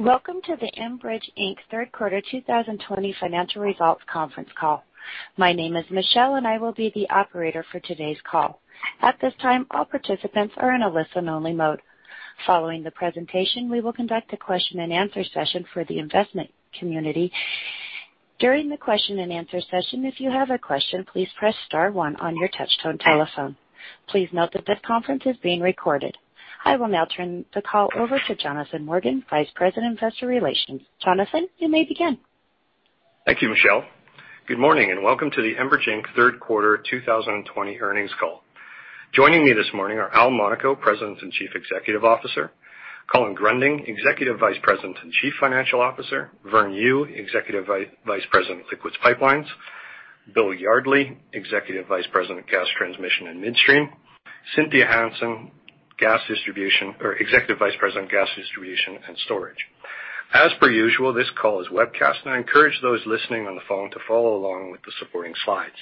Welcome to the Enbridge Inc. Third Quarter 2020 Financial Results conference call. My name is Michelle. I will be the operator for today's call. At this time, all participants are in a listen-only mode. Following the presentation, we will conduct a question-and-answer session for the investment community. During the question-and-answer session, if you have a question, please press star one on your touch-tone telephone. Please note that this conference is being recorded. I will now turn the call over to Jonathan Morgan, Vice President, Investor Relations. Jonathan, you may begin. Thank you, Michelle. Good morning, and welcome to the Enbridge Inc. Third Quarter 2020 earnings call. Joining me this morning are Al Monaco, President and Chief Executive Officer; Colin Gruending, Executive Vice President and Chief Financial Officer; Vern Yu, Executive Vice President, Liquids Pipelines; Bill Yardley, Executive Vice President, Gas Transmission and Midstream; Cynthia Hansen, Executive Vice President, Gas Distribution and Storage. As per usual, this call is webcast, and I encourage those listening on the phone to follow along with the supporting slides.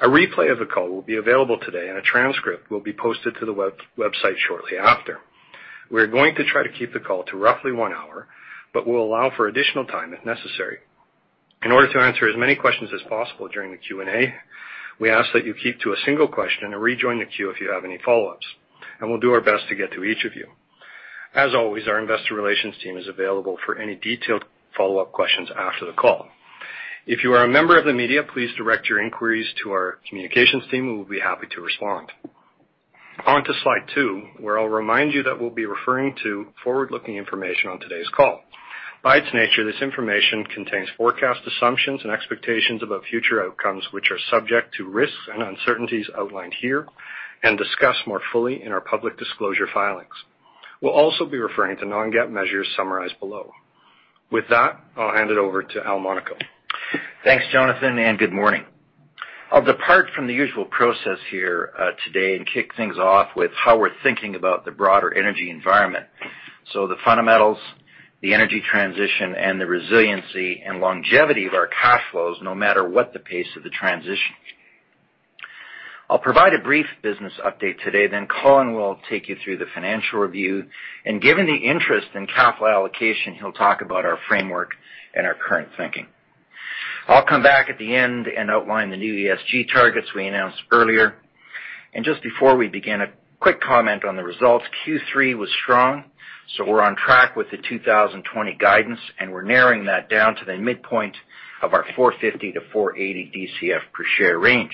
A replay of the call will be available today, and a transcript will be posted to the website shortly after. We're going to try to keep the call to roughly one hour, but we'll allow for additional time if necessary. In order to answer as many questions as possible during the Q&A, we ask that you keep to a single question and rejoin the queue if you have any follow-ups. We'll do our best to get to each of you. As always, our investor relations team is available for any detailed follow-up questions after the call. If you are a member of the media, please direct your inquiries to our communications team, who will be happy to respond. On to Slide two, where I'll remind you that we'll be referring to forward-looking information on today's call. By its nature, this information contains forecast assumptions and expectations about future outcomes, which are subject to risks and uncertainties outlined here and discussed more fully in our public disclosure filings. We'll also be referring to non-GAAP measures summarized below. With that, I'll hand it over to Al Monaco. Thanks, Jonathan. Good morning. I'll depart from the usual process here today and kick things off with how we're thinking about the broader energy environment, the fundamentals, the energy transition, and the resiliency and longevity of our cash flows, no matter what the pace of the transition. I'll provide a brief business update today. Colin will take you through the financial review, and given the interest in capital allocation, he'll talk about our framework and our current thinking. I'll come back at the end and outline the new ESG targets we announced earlier. Just before we begin, a quick comment on the results. Q3 was strong, so we're on track with the 2020 guidance, and we're narrowing that down to the midpoint of our 4.50 to 4.80 DCF per share range.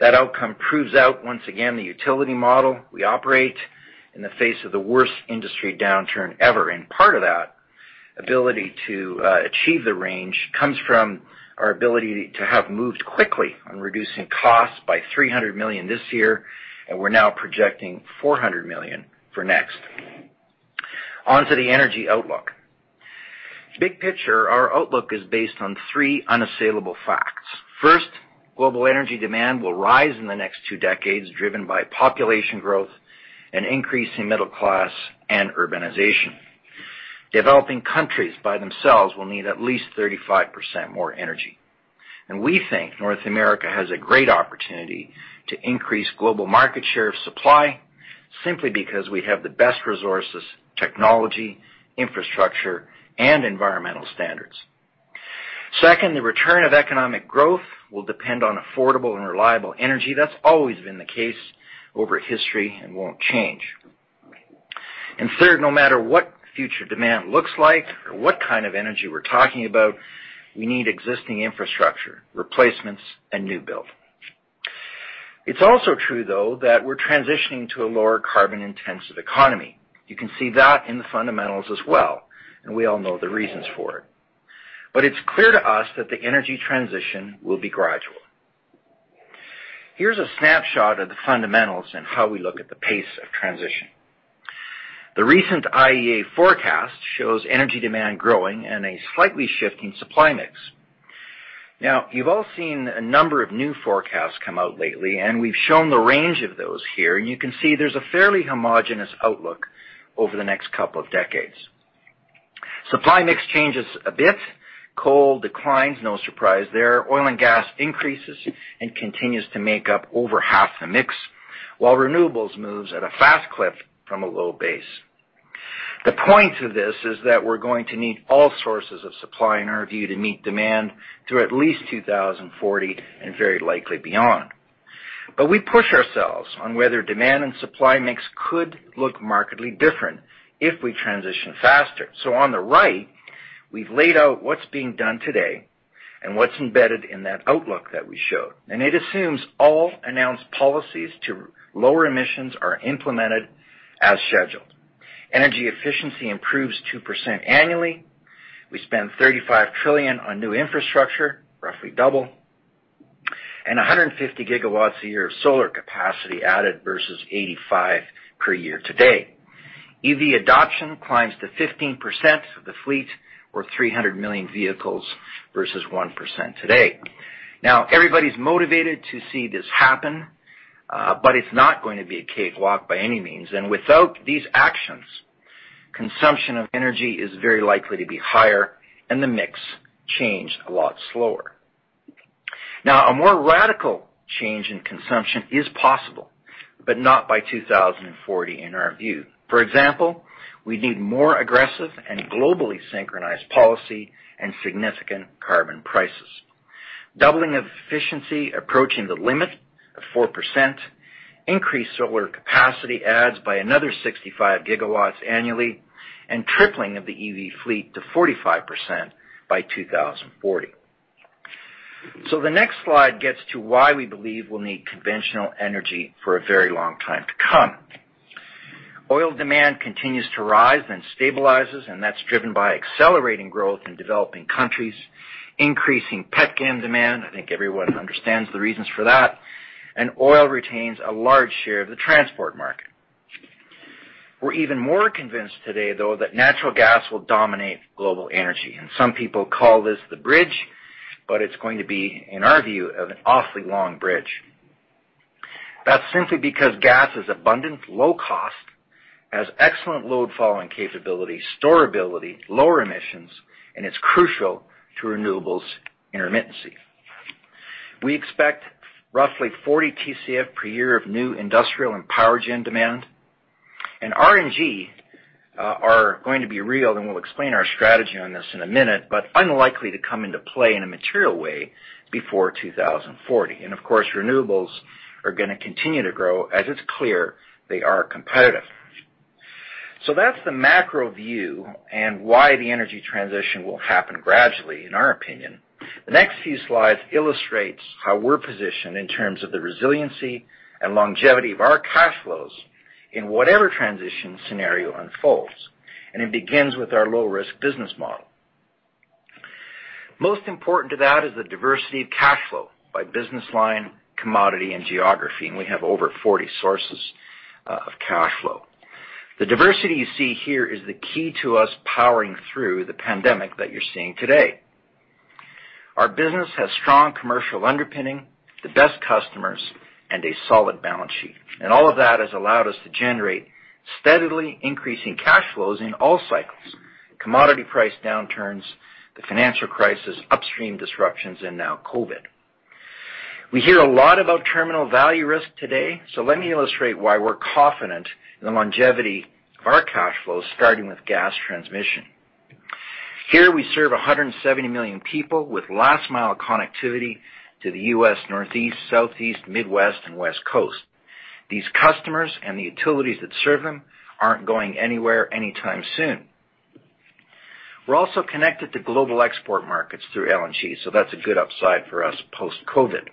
That outcome proves out, once again, the utility model we operate in the face of the worst industry downturn ever. Part of that ability to achieve the range comes from our ability to have moved quickly on reducing costs by 300 million this year, and we're now projecting 400 million for next. On to the energy outlook. Big picture, our outlook is based on three unassailable facts. First, global energy demand will rise in the next two decades, driven by population growth and increase in middle class and urbanization. Developing countries by themselves will need at least 35% more energy. We think North America has a great opportunity to increase global market share of supply simply because we have the best resources, technology, infrastructure, and environmental standards. Second, the return of economic growth will depend on affordable and reliable energy. That's always been the case over history and won't change. Third, no matter what future demand looks like or what kind of energy we're talking about, we need existing infrastructure, replacements, and new build. It's also true, though, that we're transitioning to a lower carbon-intensive economy. You can see that in the fundamentals as well, and we all know the reasons for it. It's clear to us that the energy transition will be gradual. Here's a snapshot of the fundamentals and how we look at the pace of transition. The recent IEA forecast shows energy demand growing and a slight shift in supply mix. You've all seen a number of new forecasts come out lately, and we've shown the range of those here, and you can see there's a fairly homogenous outlook over the next couple of decades. Supply mix changes a bit. Coal declines, no surprise there. Oil and gas increases and continues to make up over half the mix, while renewables moves at a fast clip from a low base. The point of this is that we're going to need all sources of supply, in our view, to meet demand through at least 2040 and very likely beyond. We push ourselves on whether demand and supply mix could look markedly different if we transition faster. On the right, we've laid out what's being done today and what's embedded in that outlook that we showed. It assumes all announced policies to lower emissions are implemented as scheduled. Energy efficiency improves 2% annually. We spend 35 trillion on new infrastructure, roughly double, and 150 GW a year of solar capacity added versus 85 per year today. EV adoption climbs to 15% of the fleet or 300 million vehicles versus 1% today. Everybody's motivated to see this happen, but it's not going to be a cakewalk by any means. Without these actions, consumption of energy is very likely to be higher and the mix changed a lot slower. A more radical change in consumption is possible, but not by 2040 in our view. For example, we'd need more aggressive and globally synchronized policy and significant carbon prices. Doubling of efficiency approaching the limit of 4%, increased solar capacity adds by another 65 GW annually, and tripling of the EV fleet to 45% by 2040. The next slide gets to why we believe we'll need conventional energy for a very long time to come. Oil demand continues to rise and stabilizes. That's driven by accelerating growth in developing countries, increasing petchem demand, I think everyone understands the reasons for that. Oil retains a large share of the transport market. We're even more convinced today, though, that natural gas will dominate global energy. Some people call this the bridge, but it's going to be, in our view, of an awfully long bridge. That's simply because gas is abundant, low cost, has excellent load following capability, storability, lower emissions. It's crucial to renewables intermittency. We expect roughly 40 TCF per year of new industrial and power gen demand. RNG are going to be real. We'll explain our strategy on this in a minute, but unlikely to come into play in a material way before 2040. Of course, renewables are going to continue to grow, as it's clear they are competitive. That's the macro view and why the energy transition will happen gradually, in our opinion. The next few slides illustrates how we're positioned in terms of the resiliency and longevity of our cash flows in whatever transition scenario unfolds, and it begins with our low-risk business model. Most important to that is the diversity of cash flow by business line, commodity, and geography, and we have over 40 sources of cash flow. The diversity you see here is the key to us powering through the pandemic that you're seeing today. Our business has strong commercial underpinning, the best customers, and a solid balance sheet. All of that has allowed us to generate steadily increasing cash flows in all cycles, commodity price downturns, the financial crisis, upstream disruptions, and now COVID. We hear a lot about terminal value risk today, so let me illustrate why we're confident in the longevity of our cash flows, starting with Gas Transmission. Here we serve 170 million people with last-mile connectivity to the U.S. Northeast, Southeast, Midwest, and West Coast. These customers and the utilities that serve them aren't going anywhere anytime soon. We're also connected to global export markets through LNG, so that's a good upside for us post-COVID.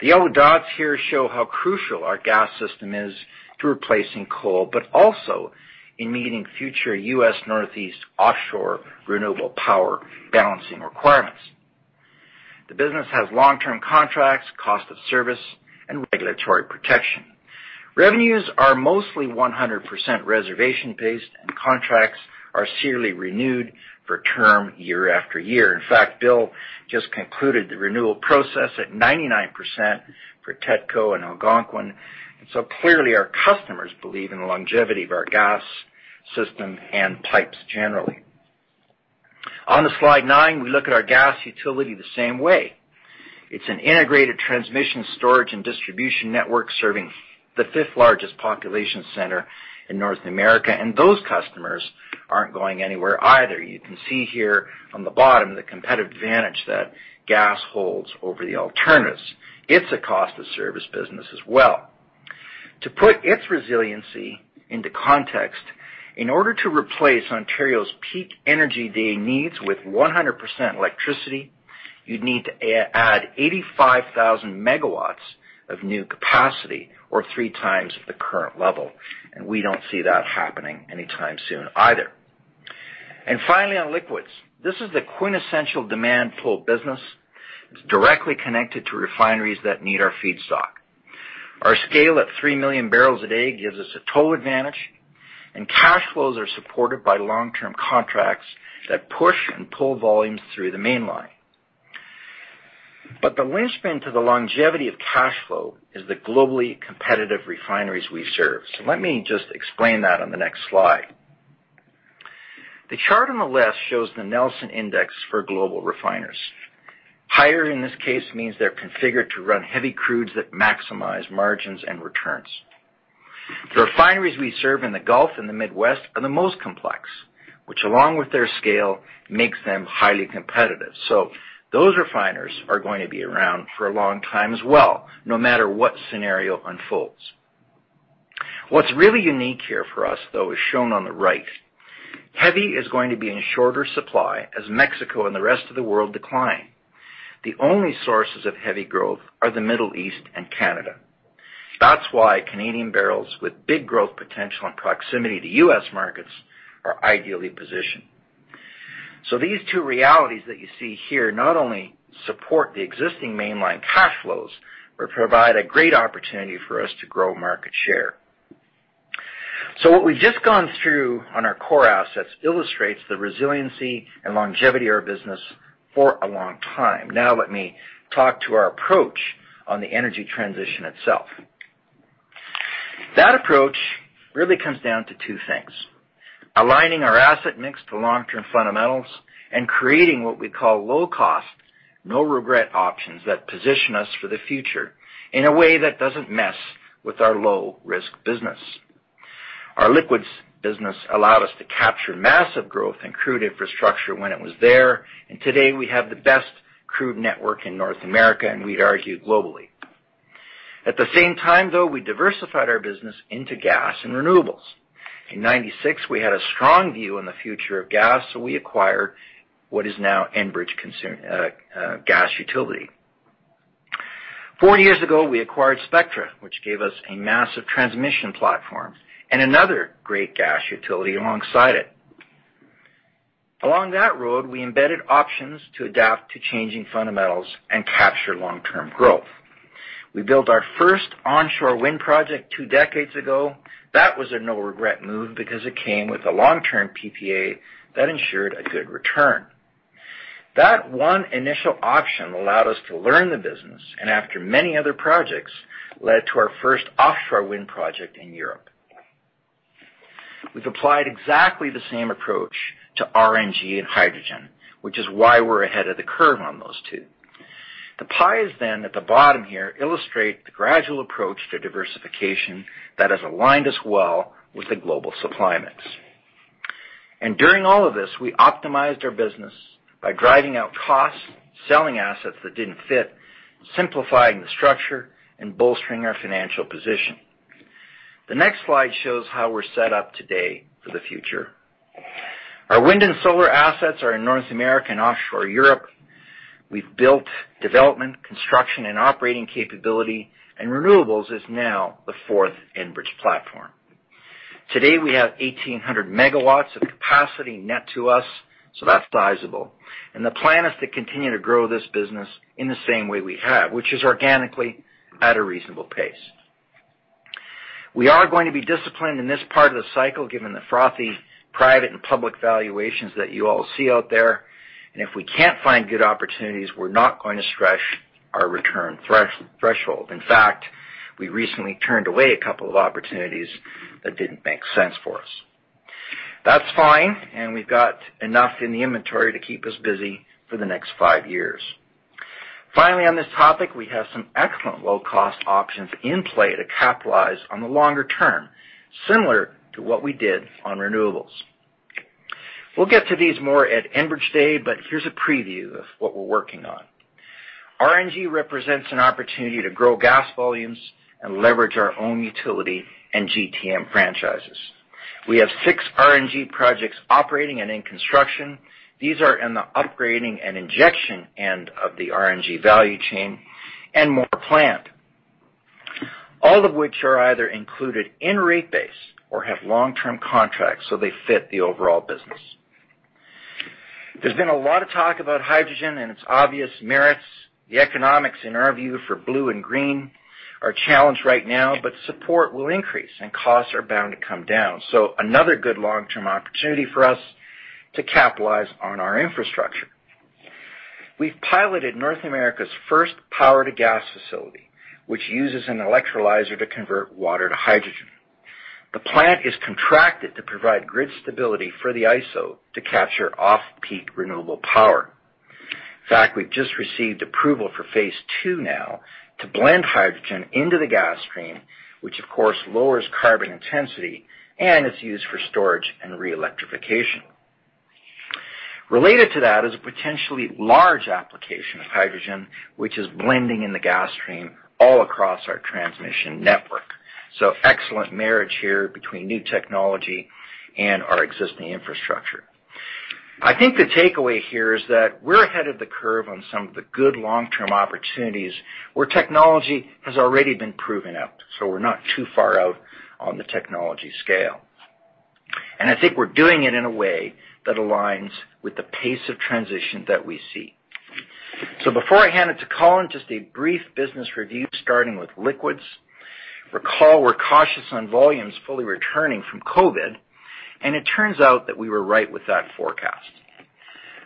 The yellow dots here show how crucial our gas system is to replacing coal, but also in meeting future U.S. Northeast offshore renewable power balancing requirements. The business has long-term contracts, cost of service, and regulatory protection. Revenues are mostly 100% reservation-based, and contracts are yearly renewed for term year after year. In fact, Bill just concluded the renewal process at 99% for TETCO and Algonquin. Clearly our customers believe in the longevity of our gas system and pipes generally. On to slide nine, we look at our gas utility the same way. It's an integrated transmission storage and distribution network serving the fifth largest population center in North America, and those customers aren't going anywhere either. You can see here on the bottom the competitive advantage that gas holds over the alternatives. It's a cost of service business as well. To put its resiliency into context, in order to replace Ontario's peak energy day needs with 100% electricity, you'd need to add 85,000 MW of new capacity, or three times the current level, and we don't see that happening anytime soon either. Finally, on liquids. This is the quintessential demand pull business. It's directly connected to refineries that need our feedstock. Our scale at three million barrels a day gives us a total advantage. Cash flows are supported by long-term contracts that push and pull volumes through the mainline. The linchpin to the longevity of cash flow is the globally competitive refineries we serve. Let me just explain that on the next slide. The chart on the left shows the Nelson Index for global refiners. Higher in this case means they're configured to run heavy crudes that maximize margins and returns. The refineries we serve in the Gulf and the Midwest are the most complex, which along with their scale, makes them highly competitive. Those refiners are going to be around for a long time as well, no matter what scenario unfolds. What's really unique here for us, though, is shown on the right. Heavy is going to be in shorter supply as Mexico and the rest of the world decline. The only sources of heavy growth are the Middle East and Canada. That's why Canadian barrels with big growth potential and proximity to U.S. markets are ideally positioned. These two realities that you see here not only support the existing mainline cash flows, but provide a great opportunity for us to grow market share. What we've just gone through on our core assets illustrates the resiliency and longevity of our business for a long time. Now let me talk to our approach on the energy transition itself. That approach really comes down to two things: aligning our asset mix to long-term fundamentals and creating what we call low-cost, no-regret options that position us for the future in a way that doesn't mess with our low-risk business. Our liquids business allowed us to capture massive growth in crude infrastructure when it was there, and today we have the best crude network in North America, and we'd argue globally. At the same time, though, we diversified our business into gas and renewables. In 1996, we had a strong view on the future of gas. We acquired what is now Enbridge Gas Inc. Four years ago, we acquired Spectra, which gave us a massive transmission platform and another great gas utility alongside it. Along that road, we embedded options to adapt to changing fundamentals and capture long-term growth. We built our first onshore wind project two decades ago. That was a no-regret move because it came with a long-term PPA that ensured a good return. That one initial option allowed us to learn the business, and after many other projects, led to our first offshore wind project in Europe. We've applied exactly the same approach to RNG and hydrogen, which is why we're ahead of the curve on those two. The pies at the bottom here illustrate the gradual approach to diversification that has aligned us well with the global supply mix. During all of this, we optimized our business by driving out costs, selling assets that didn't fit, simplifying the structure, and bolstering our financial position. The next slide shows how we're set up today for the future. Our wind and solar assets are in North America and offshore Europe. We've built development, construction, and operating capability, and renewables is now the fourth Enbridge platform. Today, we have 1,800 MW of capacity net to us, so that's sizable. The plan is to continue to grow this business in the same way we have, which is organically at a reasonable pace. We are going to be disciplined in this part of the cycle, given the frothy private and public valuations that you all see out there. If we can't find good opportunities, we're not going to stretch our return threshold. In fact, we recently turned away a couple of opportunities that didn't make sense for us. That's fine, and we've got enough in the inventory to keep us busy for the next five years. Finally, on this topic, we have some excellent low-cost options in play to capitalize on the longer term, similar to what we did on renewables. We'll get to these more at Enbridge Day, but here's a preview of what we're working on. RNG represents an opportunity to grow gas volumes and leverage our own utility and GTM franchises. We have six RNG projects operating and in construction. These are in the upgrading and injection end of the RNG value chain and more planned, all of which are either included in rate base or have long-term contracts. They fit the overall business. There has been a lot of talk about hydrogen and its obvious merits. The economics, in our view, for blue and green are challenged right now. Support will increase and costs are bound to come down. Another good long-term opportunity for us to capitalize on our infrastructure. We have piloted North America's first power-to-gas facility, which uses an electrolyzer to convert water to hydrogen. The plant is contracted to provide grid stability for the ISO to capture off-peak renewable power. In fact, we've just received approval for phase two now to blend hydrogen into the gas stream, which of course lowers carbon intensity and is used for storage and re-electrification. Related to that is a potentially large application of hydrogen, which is blending in the gas stream all across our transmission network. Excellent marriage here between new technology and our existing infrastructure. I think the takeaway here is that we're ahead of the curve on some of the good long-term opportunities where technology has already been proven out, so we're not too far out on the technology scale. I think we're doing it in a way that aligns with the pace of transition that we see. Before I hand it to Colin, just a brief business review starting with liquids. Recall we're cautious on volumes fully returning from COVID. It turns out that we were right with that forecast.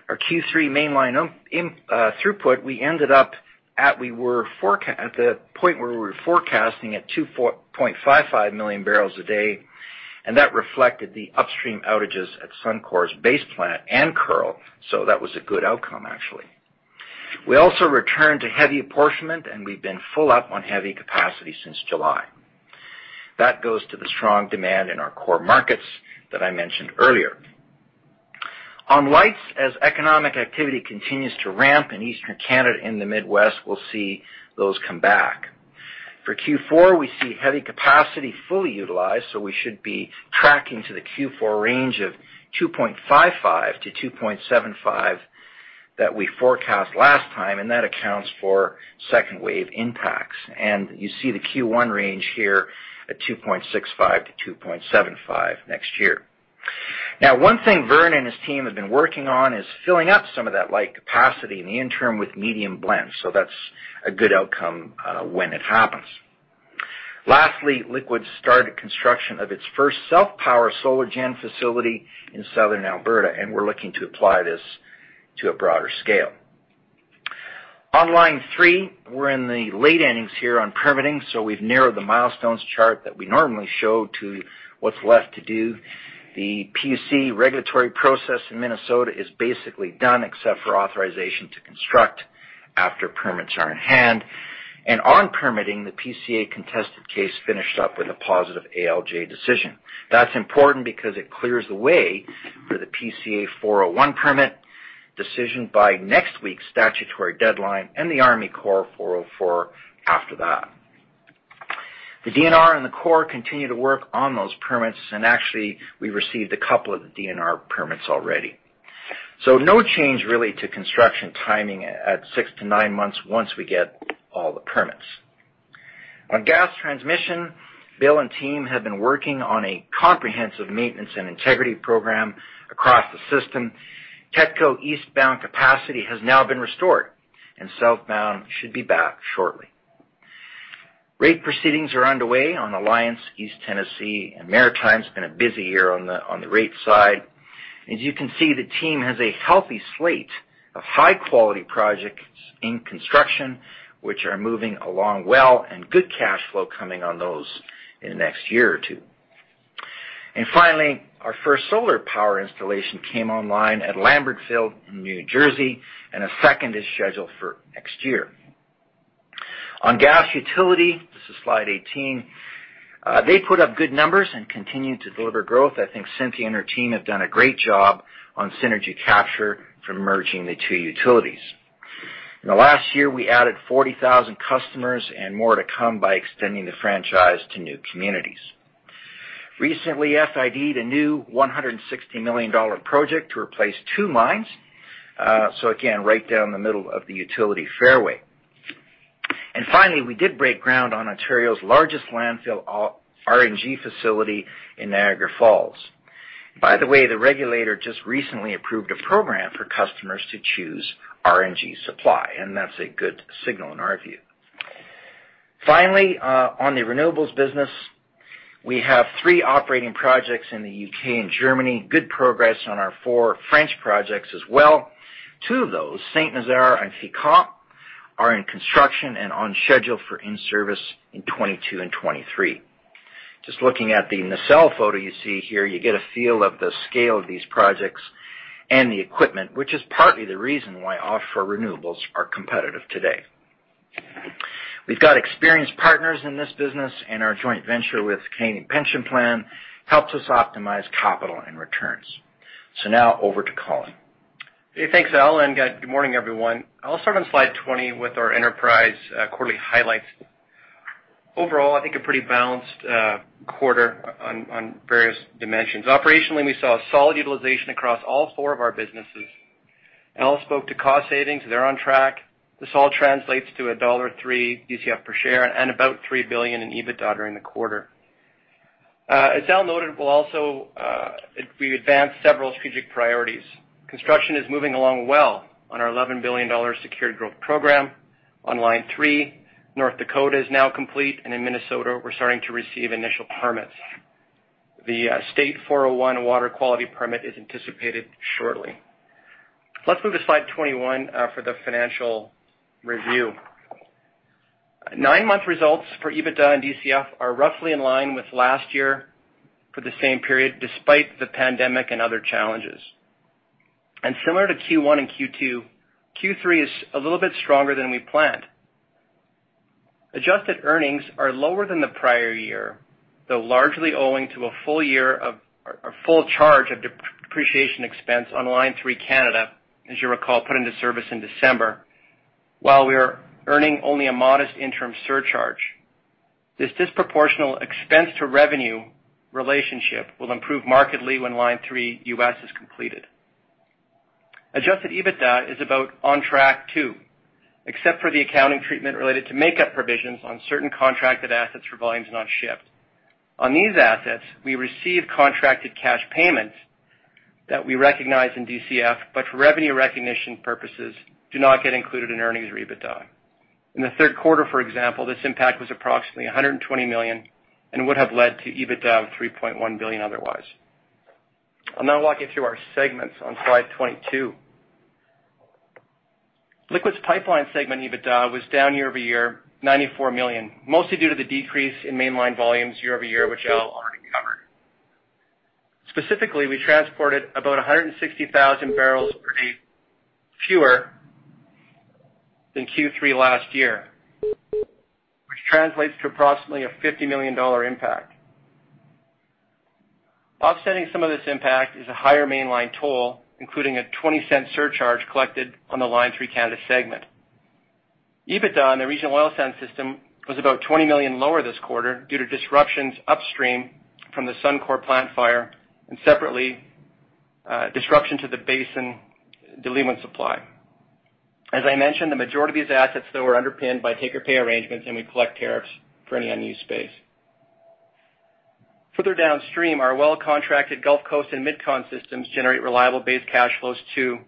Our Q3 mainline throughput, we ended up at the point where we were forecasting at 2.55 million barrels a day. That reflected the upstream outages at Suncor's Base Plant and Kearl, that was a good outcome actually. We also returned to heavy apportionment. We've been full up on heavy capacity since July. That goes to the strong demand in our core markets that I mentioned earlier. On lights, as economic activity continues to ramp in Eastern Canada and the Midwest, we'll see those come back. For Q4, we see heavy capacity fully utilized, we should be tracking to the Q4 range of 2.55-2.75 that we forecast last time. That accounts for second wave impacts. You see the Q1 range here at 2.65-2.75 next year. One thing Vern and his team have been working on is filling up some of that light capacity in the interim with medium blends, so that's a good outcome when it happens. Lastly, Liquids started construction of its first self-power solar gen facility in Southern Alberta, and we're looking to apply this to a broader scale. On Line 3, we're in the late innings here on permitting, so we've narrowed the milestones chart that we normally show to what's left to do. The PUC regulatory process in Minnesota is basically done, except for authorization to construct after permits are in hand. On permitting, the PCA contested case finished up with a positive ALJ decision. That's important because it clears the way for the PCA 401 permit decision by next week's statutory deadline and the Army Corps 404 after that. Actually, we received a couple of the DNR permits already. No change really to construction timing at six to nine months once we get all the permits. On Gas Transmission, Bill and team have been working on a comprehensive maintenance and integrity program across the system. TETCO eastbound capacity has now been restored, and southbound should be back shortly. Rate proceedings are underway on Alliance, East Tennessee, and Maritimes's been a busy year on the rate side. As you can see, the team has a healthy slate of high-quality projects in construction, which are moving along well, and good cash flow coming on those in the next year or two. Finally, our first solar power installation came online at Lambertville Solar Project in New Jersey, and a second is scheduled for next year. On gas utility, this is slide 18, they put up good numbers and continue to deliver growth. I think Cynthia Hansen and her team have done a great job on synergy capture from merging the two utilities. In the last year, we added 40,000 customers and more to come by extending the franchise to new communities. Recently, FID, the new 160 million dollar project to replace two lines, again, right down the middle of the utility fairway. Finally, we did break ground on Ontario's largest landfill RNG facility in Niagara Falls. The regulator just recently approved a program for customers to choose RNG supply, and that's a good signal in our view. Finally, on the renewables business, we have three operating projects in the U.K. and Germany. Good progress on our four French projects as well. Two of those, Saint-Nazaire and Fécamp, are in construction and on schedule for in-service in 2022 and 2023. Just looking at the nacelle photo you see here, you get a feel of the scale of these projects and the equipment, which is partly the reason why offer renewables are competitive today. We've got experienced partners in this business, and our joint venture with Canada Pension Plan helps us optimize capital and returns. Now over to Colin. Thanks, Al, and good morning, everyone. I'll start on slide 20 with our enterprise quarterly highlights. Overall, I think a pretty balanced quarter on various dimensions. Operationally, we saw solid utilization across all four of our businesses. Al spoke to cost savings. They're on track. This all translates to a dollar 1.03 DCF per share and about 3 billion in EBITDA during the quarter. As Al noted, we advanced several strategic priorities. Construction is moving along well on our 11 billion dollar secured growth program. On Line 3, North Dakota is now complete. In Minnesota, we're starting to receive initial permits. The state 401 water quality permit is anticipated shortly. Let's move to slide 21 for the financial review. Nine-month results for EBITDA and DCF are roughly in line with last year for the same period, despite the pandemic and other challenges. Similar to Q1 and Q2, Q3 is a little bit stronger than we planned. Adjusted earnings are lower than the prior year, though largely owing to a full charge of depreciation expense on Line 3 Canada, as you recall, put into service in December, while we are earning only a modest interim surcharge. This disproportional expense to revenue relationship will improve markedly when Line 3 U.S. is completed. Adjusted EBITDA is about on track too, except for the accounting treatment related to makeup provisions on certain contracted assets for volumes not shipped. On these assets, we receive contracted cash payments that we recognize in DCF, but for revenue recognition purposes, do not get included in earnings or EBITDA. In the third quarter, for example, this impact was approximately 120 million and would have led to EBITDA of 3.1 billion otherwise. I'll now walk you through our segments on slide 22. Liquids Pipelines segment EBITDA was down year-over-year, 94 million, mostly due to the decrease in mainline volumes year-over-year, which Al already covered. Specifically, we transported about 160,000 barrels per day fewer than Q3 last year, which translates to approximately a 50 million dollar impact. Offsetting some of this impact is a higher mainline toll, including a 0.20 surcharge collected on the Line 3 Canada segment. EBITDA on the regional oil sands system was about 20 million lower this quarter due to disruptions upstream from the Suncor plant fire, and separately, disruption to the basin diluent supply. As I mentioned, the majority of these assets though are underpinned by take-or-pay arrangements, and we collect tariffs for any unused space. Further downstream, our well-contracted Gulf Coast and MidCon systems generate reliable base cash flows too,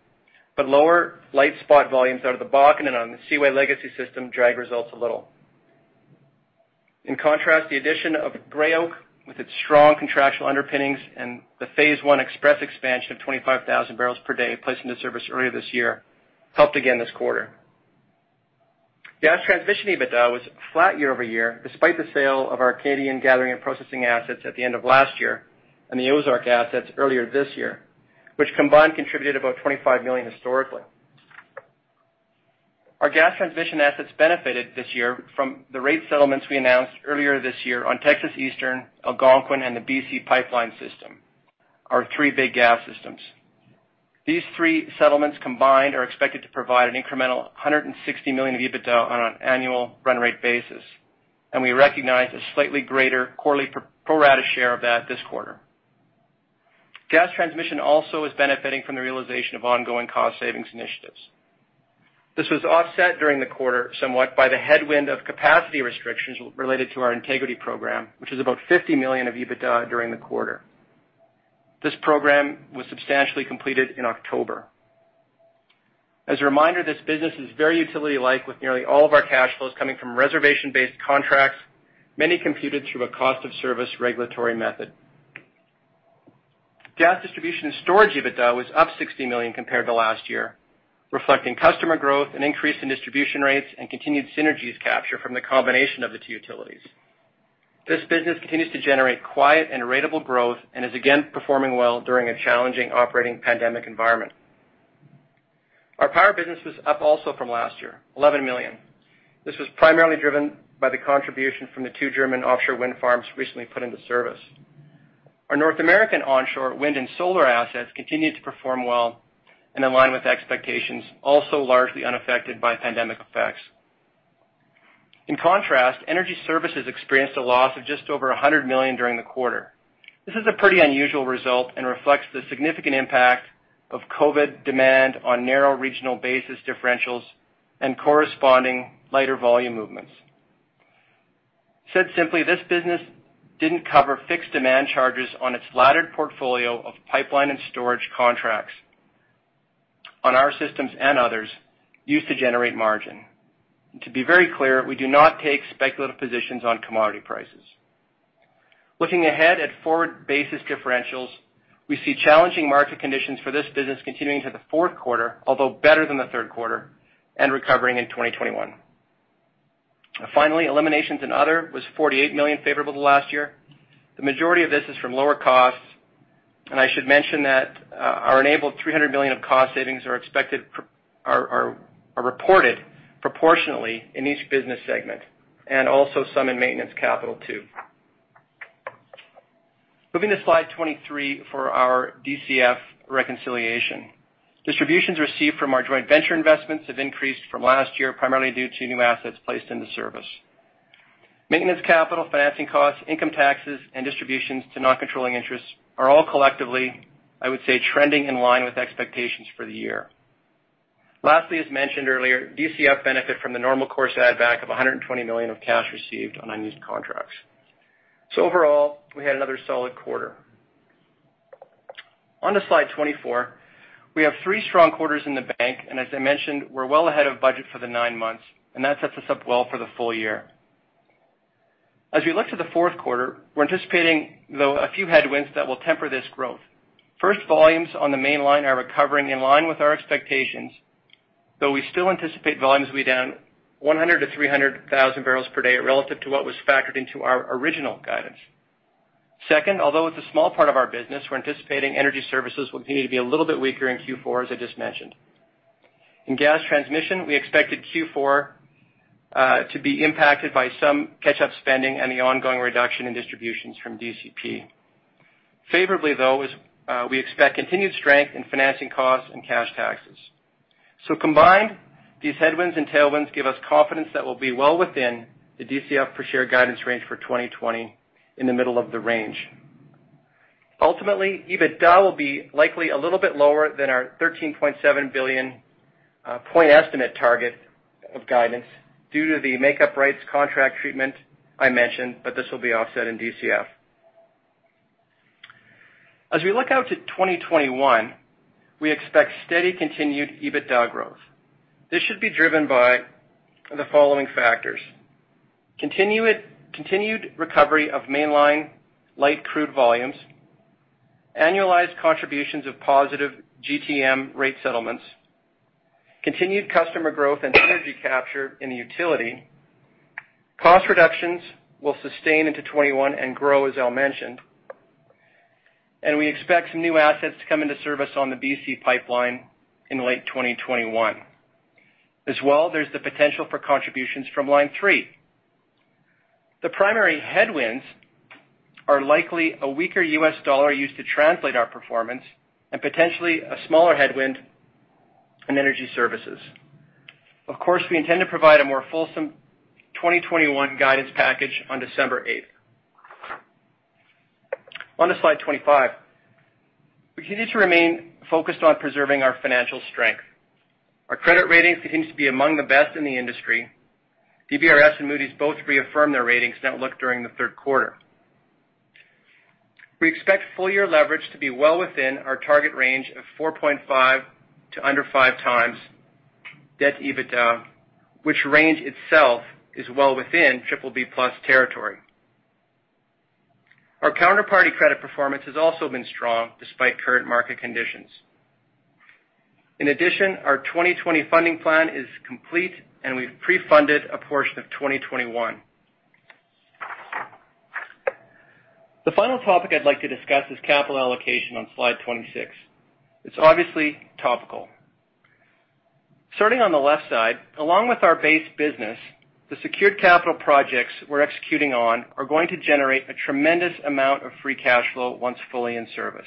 but lower light spot volumes out of the Bakken and on the Seaway Legacy system drag results a little. In contrast, the addition of Gray Oak, with its strong contractual underpinnings and the Phase I Express Expansion of 25,000 barrels per day placed into service earlier this year, helped again this quarter. Gas Transmission EBITDA was flat year-over-year, despite the sale of our Canadian gathering and processing assets at the end of last year and the Ozark assets earlier this year, which combined contributed about 25 million historically. Our Gas Transmission assets benefited this year from the rate settlements we announced earlier this year on Texas Eastern, Algonquin, and the BC Pipeline system, our three big gas systems. These three settlements combined are expected to provide an incremental 160 million of EBITDA on an annual run rate basis. We recognize a slightly greater quarterly pro rata share of that this quarter. Gas Transmission also is benefiting from the realization of ongoing cost savings initiatives. This was offset during the quarter somewhat by the headwind of capacity restrictions related to our integrity program, which is about 50 million of EBITDA during the quarter. This program was substantially completed in October. As a reminder, this business is very utility-like with nearly all of our cash flows coming from reservation-based contracts, many computed through a cost-of-service regulatory method. Gas Distribution and Storage EBITDA was up 60 million compared to last year, reflecting customer growth and increase in distribution rates and continued synergies capture from the combination of the two utilities. This business continues to generate quiet and ratable growth and is again performing well during a challenging operating pandemic environment. Our power business was up also from last year, 11 million. This was primarily driven by the contribution from the two German offshore wind farms recently put into service. Our North American onshore wind and solar assets continued to perform well and align with expectations, also largely unaffected by pandemic effects. In contrast, energy services experienced a loss of just over 100 million during the quarter. This is a pretty unusual result and reflects the significant impact of COVID demand on narrow regional basis differentials and corresponding lighter volume movements. Said simply, this business didn't cover fixed demand charges on its laddered portfolio of pipeline and storage contracts on our systems and others used to generate margin. To be very clear, we do not take speculative positions on commodity prices. Looking ahead at forward basis differentials, we see challenging market conditions for this business continuing to the fourth quarter, although better than the third quarter, and recovering in 2021. Finally, eliminations and other was 48 million favorable to last year. The majority of this is from lower costs, and I should mention that our enabled 300 million of cost savings are reported proportionally in each business segment, and also some in maintenance capital too. Moving to slide 23 for our DCF reconciliation. Distributions received from our joint venture investments have increased from last year primarily due to new assets placed into service. Maintenance capital, financing costs, income taxes, and distributions to non-controlling interests are all collectively, I would say, trending in line with expectations for the year. Lastly, as mentioned earlier, DCF benefit from the normal course add back of 120 million of cash received on unused contracts. Overall, we had another solid quarter. On to slide 24. We have three strong quarters in the bank, and as I mentioned, we're well ahead of budget for the nine months, and that sets us up well for the full year. As we look to the fourth quarter, we're anticipating, though, a few headwinds that will temper this growth. First, volumes on the mainline are recovering in line with our expectations, though we still anticipate volumes to be down 100,000 barrels-300,000 barrels per day relative to what was factored into our original guidance. Second, although it's a small part of our business, we're anticipating energy services will continue to be a little bit weaker in Q4, as I just mentioned. In Gas Transmission, we expected Q4 to be impacted by some catch-up spending and the ongoing reduction in distributions from DCP. Favorably, though, we expect continued strength in financing costs and cash taxes. Combined, these headwinds and tailwinds give us confidence that we'll be well within the DCF per share guidance range for 2020 in the middle of the range. Ultimately, EBITDA will be likely a little bit lower than our 13.7 billion point estimate target of guidance due to the makeup rights contract treatment I mentioned, but this will be offset in DCF. As we look out to 2021, we expect steady continued EBITDA growth. This should be driven by the following factors. Continued recovery of mainline light crude volumes, annualized contributions of positive GTM rate settlements, continued customer growth and synergy capture in the utility. Cost reductions will sustain into 2021 and grow, as Al mentioned. We expect some new assets to come into service on the BC Pipeline in late 2021. As well, there's the potential for contributions from Line 3. The primary headwinds are likely a weaker U.S. dollar used to translate our performance and potentially a smaller headwind in energy services. Of course, we intend to provide a more fulsome 2021 guidance package on December 8. On to slide 25. We continue to remain focused on preserving our financial strength. Our credit rating continues to be among the best in the industry. DBRS and Moody's both reaffirmed their ratings outlook during the third quarter. We expect full-year leverage to be well within our target range of 4.5x to under 5x debt EBITDA, which range itself is well within BBB+ territory. Our counterparty credit performance has also been strong despite current market conditions. In addition, our 2020 funding plan is complete, and we've pre-funded a portion of 2021. The final topic I'd like to discuss is capital allocation on slide 26. It's obviously topical. Starting on the left side, along with our base business, the secured capital projects we're executing on are going to generate a tremendous amount of free cash flow once fully in service.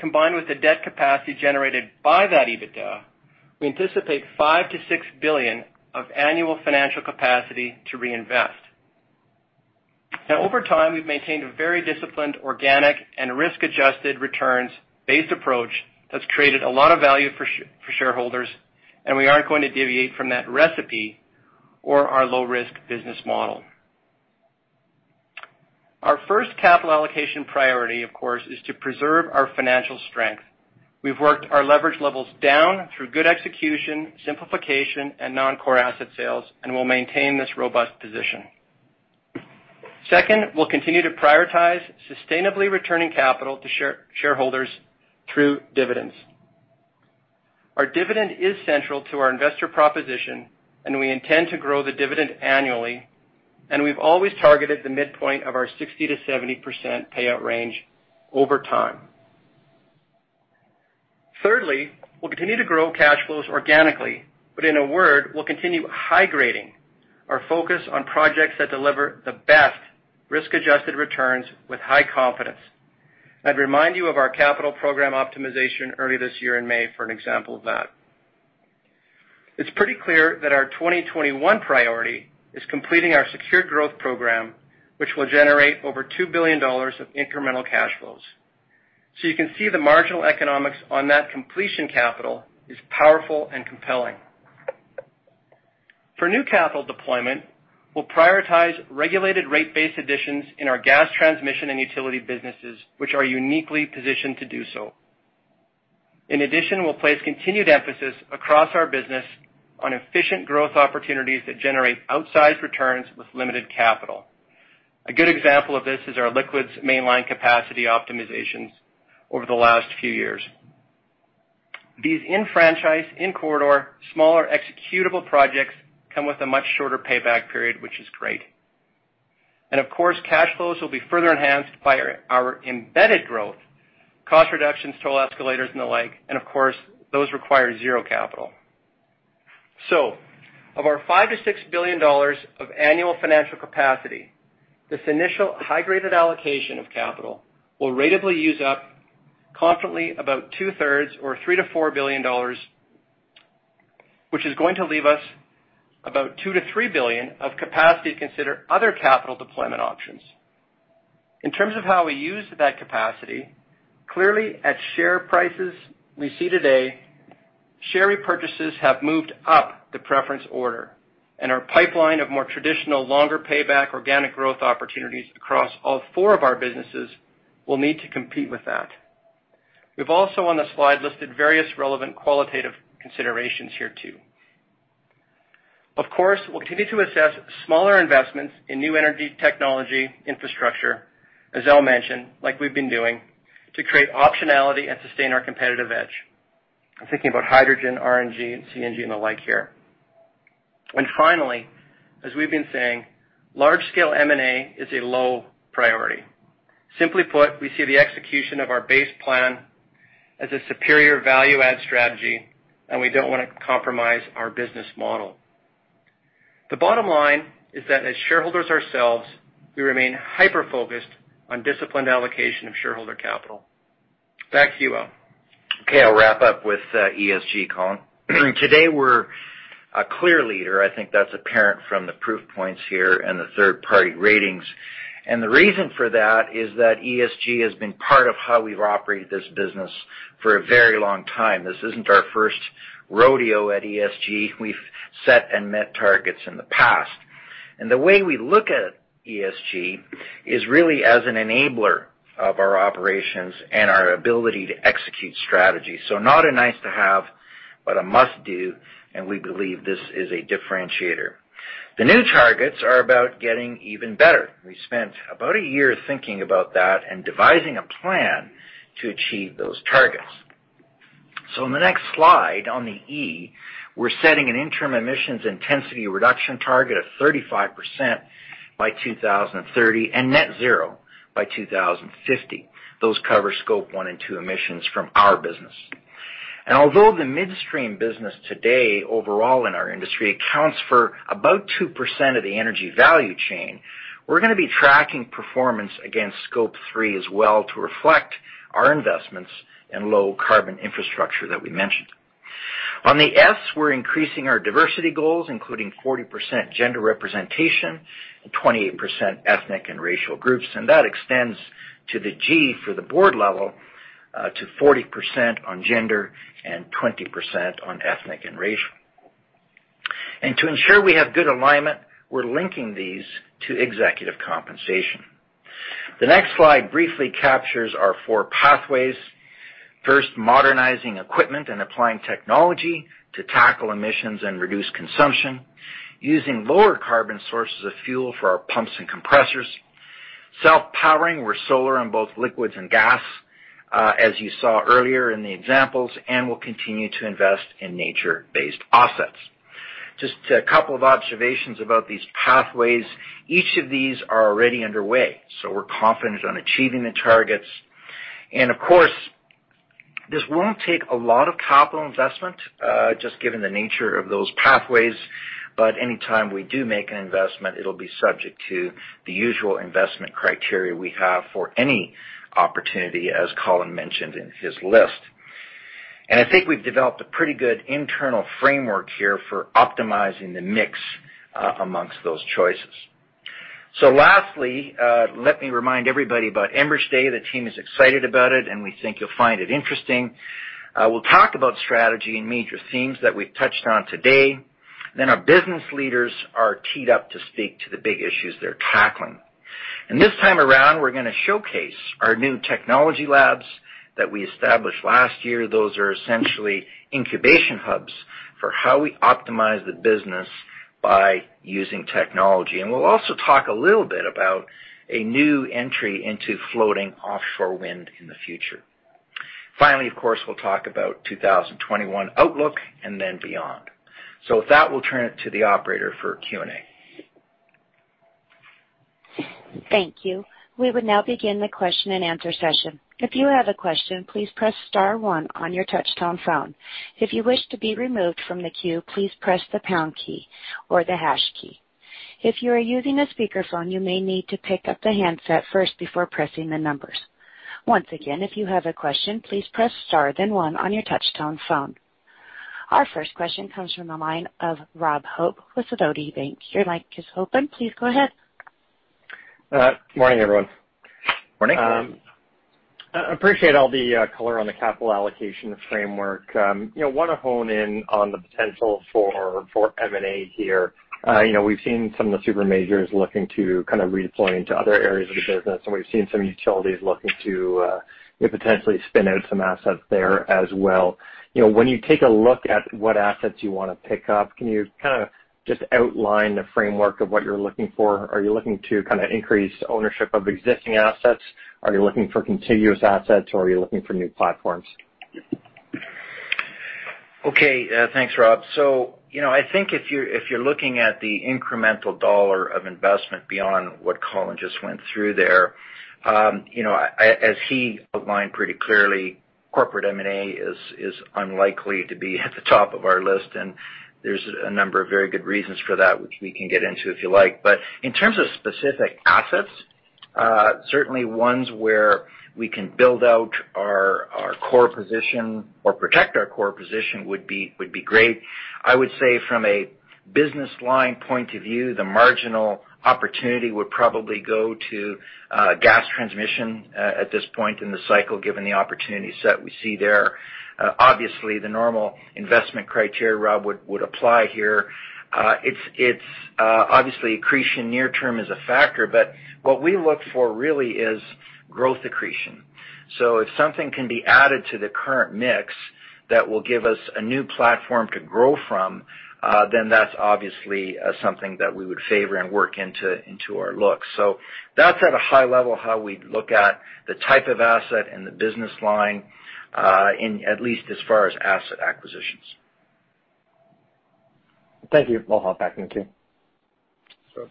Combined with the debt capacity generated by that EBITDA, we anticipate 5 billion-6 billion of annual financial capacity to reinvest. Over time, we've maintained a very disciplined organic and risk-adjusted returns-based approach that's created a lot of value for shareholders, and we aren't going to deviate from that recipe or our low-risk business model. Our first capital allocation priority, of course, is to preserve our financial strength. We've worked our leverage levels down through good execution, simplification, and non-core asset sales, and we'll maintain this robust position. Second, we'll continue to prioritize sustainably returning capital to shareholders through dividends. Our dividend is central to our investor proposition. We intend to grow the dividend annually. We've always targeted the midpoint of our 60%-70% payout range over time. Thirdly, we'll continue to grow cash flows organically. In a word, we'll continue high-grading our focus on projects that deliver the best risk-adjusted returns with high confidence. I'd remind you of our capital program optimization early this year in May for an example of that. It's pretty clear that our 2021 priority is completing our secured growth program, which will generate over 2 billion dollars of incremental cash flows. You can see the marginal economics on that completion capital is powerful and compelling. For new capital deployment, we'll prioritize regulated rate-based additions in our gas transmission and utility businesses, which are uniquely positioned to do so. In addition, we'll place continued emphasis across our business on efficient growth opportunities that generate outsized returns with limited capital. A good example of this is our liquids mainline capacity optimizations over the last few years. These in-franchise, in-corridor, smaller executable projects come with a much shorter payback period, which is great. Of course, cash flows will be further enhanced by our embedded growth, cost reductions, toll escalators, and the like, and of course, those require zero capital. Of our 5 billion-6 billion dollars of annual financial capacity, this initial high-graded allocation of capital will ratably use up constantly about 2/3 or 3 billion-4 billion dollars, which is going to leave us about 2 billion-3 billion of capacity to consider other capital deployment options. In terms of how we use that capacity, clearly at share prices we see today, share repurchases have moved up the preference order and our pipeline of more traditional, longer payback organic growth opportunities across all four of our businesses will need to compete with that. We've also on the slide listed various relevant qualitative considerations here too. Of course, we'll continue to assess smaller investments in new energy technology infrastructure, as Al mentioned, like we've been doing, to create optionality and sustain our competitive edge. I'm thinking about hydrogen, RNG, CNG, and the like here. Finally, as we've been saying, large-scale M&A is a low priority. Simply put, we see the execution of our base plan as a superior value add strategy, and we don't want to compromise our business model. The bottom line is that as shareholders ourselves, we remain hyper-focused on disciplined allocation of shareholder capital. Back to you, Al. Okay, I'll wrap up with ESG, Colin. Today we're a clear leader. I think that's apparent from the proof points here and the third-party ratings. The reason for that is that ESG has been part of how we've operated this business for a very long time. This isn't our first rodeo at ESG. We've set and met targets in the past. The way we look at ESG is really as an enabler of our operations and our ability to execute strategy. Not a nice-to-have, but a must-do, and we believe this is a differentiator. The new targets are about getting even better. We spent about a year thinking about that and devising a plan to achieve those targets. On the next slide on the E, we're setting an interim emissions intensity reduction target of 35% by 2030 and net zero by 2050. Those cover Scope 1 and 2 emissions from our business. Although the midstream business today overall in our industry accounts for about 2% of the energy value chain, we're going to be tracking performance against Scope 3 as well to reflect our investments in low carbon infrastructure that we mentioned. On the S, we're increasing our diversity goals, including 40% gender representation and 28% ethnic and racial groups, and that extends to the G for the board level to 40% on gender and 20% on ethnic and racial. To ensure we have good alignment, we're linking these to executive compensation. The next slide briefly captures our four pathways. First, modernizing equipment and applying technology to tackle emissions and reduce consumption, using lower carbon sources of fuel for our pumps and compressors. Self-powering, we're solar on both liquids and gas, as you saw earlier in the examples, and we'll continue to invest in nature-based offsets. Just a couple of observations about these pathways. Each of these are already underway, so we're confident on achieving the targets. Of course, this won't take a lot of capital investment, just given the nature of those pathways. Any time we do make an investment, it'll be subject to the usual investment criteria we have for any opportunity, as Colin mentioned in his list. I think we've developed a pretty good internal framework here for optimizing the mix amongst those choices. Lastly, let me remind everybody about Enbridge Day. The team is excited about it, and we think you'll find it interesting. We'll talk about strategy and major themes that we've touched on today. Our business leaders are teed up to speak to the big issues they're tackling. This time around, we're going to showcase our new technology labs that we established last year. Those are essentially incubation hubs for how we optimize the business by using technology. We'll also talk a little bit about a new entry into floating offshore wind in the future. Finally, of course, we'll talk about 2021 outlook and then beyond. With that, we'll turn it to the operator for Q&A. Thank you. We would now begin the question-and-answer session. If you have a question, please press star one on your touch-tone phone. If you wish to be removed from the queue, please press the pound key or the hash key. If you are using a speakerphone, you may need to pick up the handset first before pressing the numbers. Once again, if you have a question, please press star, then one on your touch-tone phone. Our first question comes from the line of Rob Hope with Sidoti Bank. Your mic is open. Please go ahead. Good morning, everyone. Morning. Appreciate all the color on the capital allocation framework. Want to hone in on the potential for M&A here. We've seen some of the super majors looking to kind of redeploy into other areas of the business, and we've seen some utilities looking to potentially spin out some assets there as well. When you take a look at what assets you want to pick up, can you kind of just outline the framework of what you're looking for? Are you looking to kind of increase ownership of existing assets? Are you looking for contiguous assets or are you looking for new platforms? Okay. Thanks, Rob. I think if you're looking at the incremental dollar of investment beyond what Colin just went through there, as he outlined pretty clearly, corporate M&A is unlikely to be at the top of our list, and there's a number of very good reasons for that, which we can get into if you like. In terms of specific assets, certainly ones where we can build out our core position or protect our core position would be great. I would say from a business line point of view, the marginal opportunity would probably go to Gas Transmission at this point in the cycle, given the opportunity set we see there. Obviously, the normal investment criteria, Rob, would apply here. Obviously, accretion near-term is a factor, but what we look for really is growth accretion. If something can be added to the current mix that will give us a new platform to grow from, then that's obviously something that we would favor and work into our look. That's at a high level how we look at the type of asset and the business line, at least as far as asset acquisitions. Thank you. I will hop back in the queue.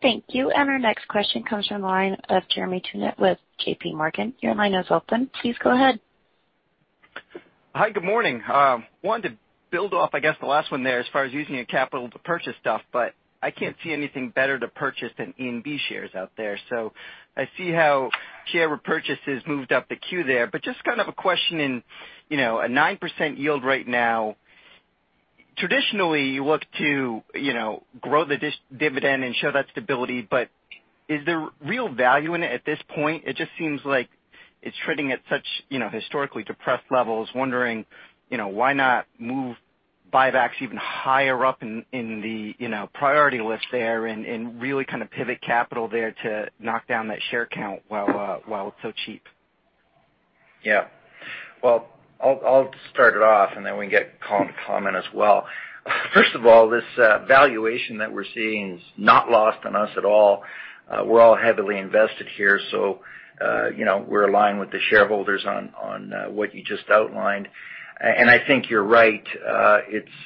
Thank you. Our next question comes from the line of Jeremy Tonet with JPMorgan. Your line is open. Please go ahead. Hi, good morning. Wanted to build off, I guess, the last one there as far as using your capital to purchase stuff, but I can't see anything better to purchase than ENB shares out there. I see how share repurchases moved up the queue there, but just kind of a question in a 9% yield right now. Traditionally, you look to grow the dividend and show that stability, but is there real value in it at this point? It just seems like it's trading at such historically depressed levels, wondering why not move buybacks even higher up in the priority list there and really kind of pivot capital there to knock down that share count while it's so cheap. Yeah. Well, I'll start it off, and then we can get Colin to comment as well. First of all, this valuation that we're seeing is not lost on us at all. We're all heavily invested here, so we're aligned with the shareholders on what you just outlined. I think you're right.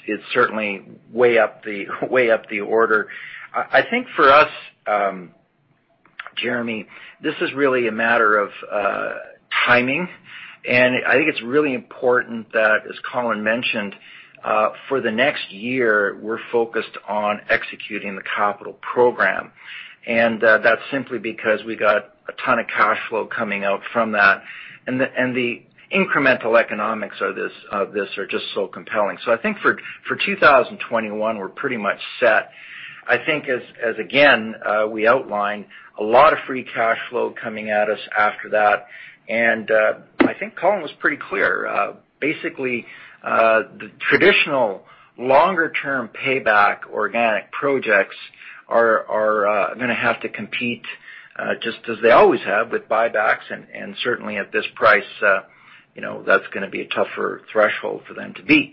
It's certainly way up the order. I think for us, Jeremy, this is really a matter of timing, and I think it's really important that, as Colin mentioned, for the next year, we're focused on executing the capital program, and that's simply because we got a ton of cash flow coming out from that, and the incremental economics of this are just so compelling. I think for 2021, we're pretty much set. I think as, again, we outlined a lot of free cash flow coming at us after that. I think Colin was pretty clear. The traditional longer-term payback organic projects are going to have to compete, just as they always have with buybacks and certainly at this price that's going to be a tougher threshold for them to beat.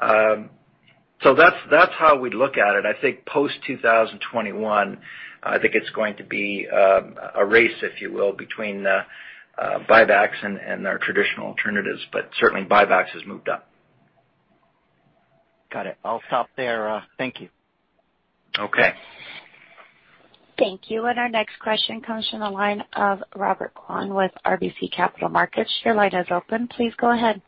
That's how we'd look at it. I think post 2021, I think it's going to be a race, if you will, between buybacks and their traditional alternatives. Certainly buybacks has moved up. Got it. I'll stop there. Thank you. Okay. Thank you. Our next question comes from the line of Robert Kwan with RBC Capital Markets. Your line is open. Please go ahead.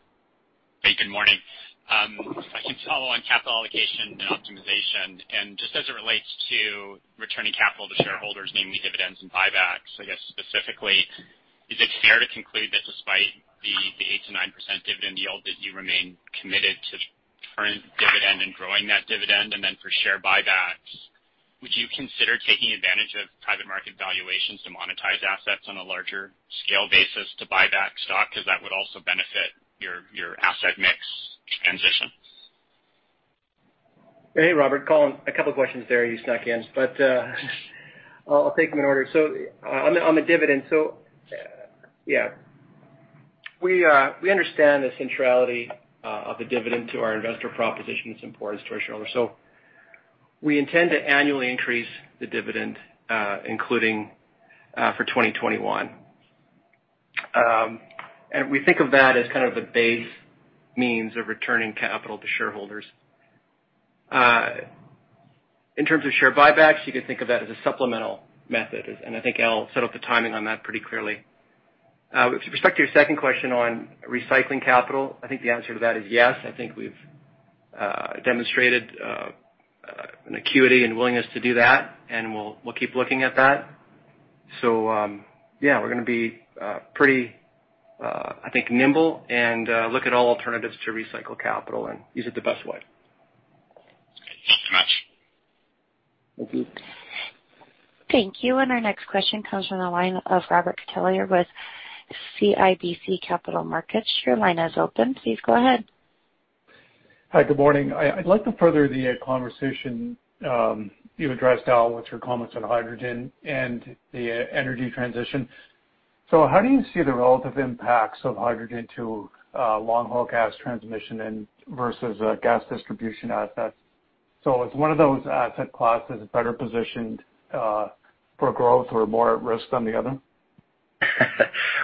Hey, good morning. If I can follow on capital allocation and optimization, just as it relates to returning capital to shareholders, namely dividends and buybacks, I guess specifically, is it fair to conclude that despite the 8%-9% dividend yield, that you remain committed to current dividend and growing that dividend? For share buybacks, would you consider taking advantage of private market valuations to monetize assets on a larger scale basis to buy back stock? That would also benefit your asset mix transition. Hey, Robert, Colin. A couple questions there you snuck in, I'll take them in order. On the dividend, yeah. We understand the centrality of the dividend to our investor proposition. It's important to our shareholders. We intend to annually increase the dividend including for 2021. We think of that as kind of the base means of returning capital to shareholders. In terms of share buybacks, you could think of that as a supplemental method, and I think Al set up the timing on that pretty clearly. With respect to your second question on recycling capital, I think the answer to that is yes. I think we've demonstrated an acuity and willingness to do that, and we'll keep looking at that. Yeah. We're going to be pretty, I think, nimble and look at all alternatives to recycle capital and use it the best way. Thanks so much. Thank you. Thank you. Our next question comes from the line of Robert Catellier with CIBC Capital Markets. Your line is open. Please go ahead. Hi, good morning. I'd like to further the conversation you addressed, Al, with your comments on hydrogen and the energy transition. How do you see the relative impacts of hydrogen to long-haul gas transmission and versus gas distribution assets? Is one of those asset classes better positioned for growth or more at risk than the other?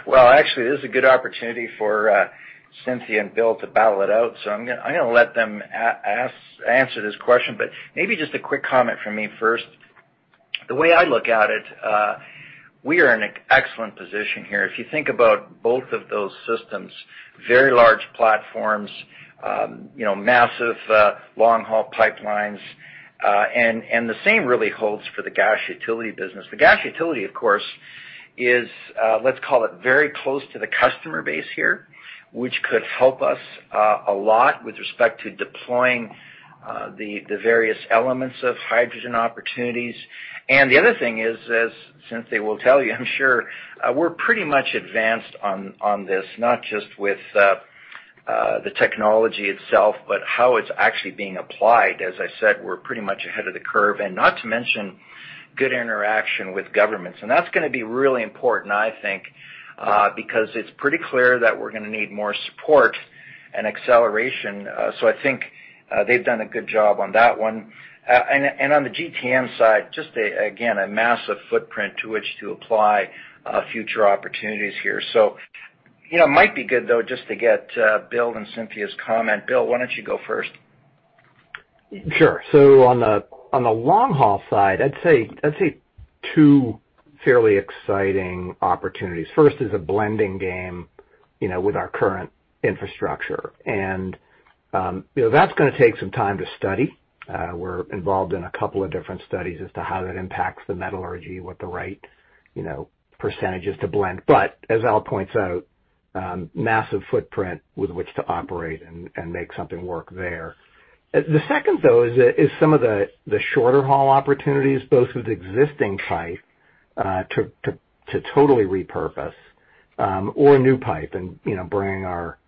Actually, this is a good opportunity for Cynthia and Bill to battle it out, so I'm going to let them answer this question. Maybe just a quick comment from me first. The way I look at it, we are in an excellent position here. If you think about both of those systems, very large platforms, massive long-haul pipelines. The same really holds for the gas utility business. The gas utility, of course, is let's call it very close to the customer base here, which could help us a lot with respect to deploying the various elements of hydrogen opportunities. The other thing is, as Cynthia will tell you, I'm sure, we're pretty much advanced on this, not just with the technology itself, but how it's actually being applied. As I said, we're pretty much ahead of the curve, and not to mention good interaction with governments. That's going to be really important, I think, because it's pretty clear that we're going to need more support and acceleration. I think they've done a good job on that one. On the GTM side, just again, a massive footprint to which to apply future opportunities here. It might be good, though, just to get Bill and Cynthia's comment. Bill, why don't you go first? Sure. On the long-haul side, I'd say two fairly exciting opportunities. First is a blending game with our current infrastructure, and that's going to take some time to study. We're involved in a couple of different studies as to how that impacts the metallurgy, what the right percentages to blend. As Al points out, massive footprint with which to operate and make something work there. The second, though, is some of the shorter haul opportunities, both with existing pipe to totally repurpose or new pipe and bringing our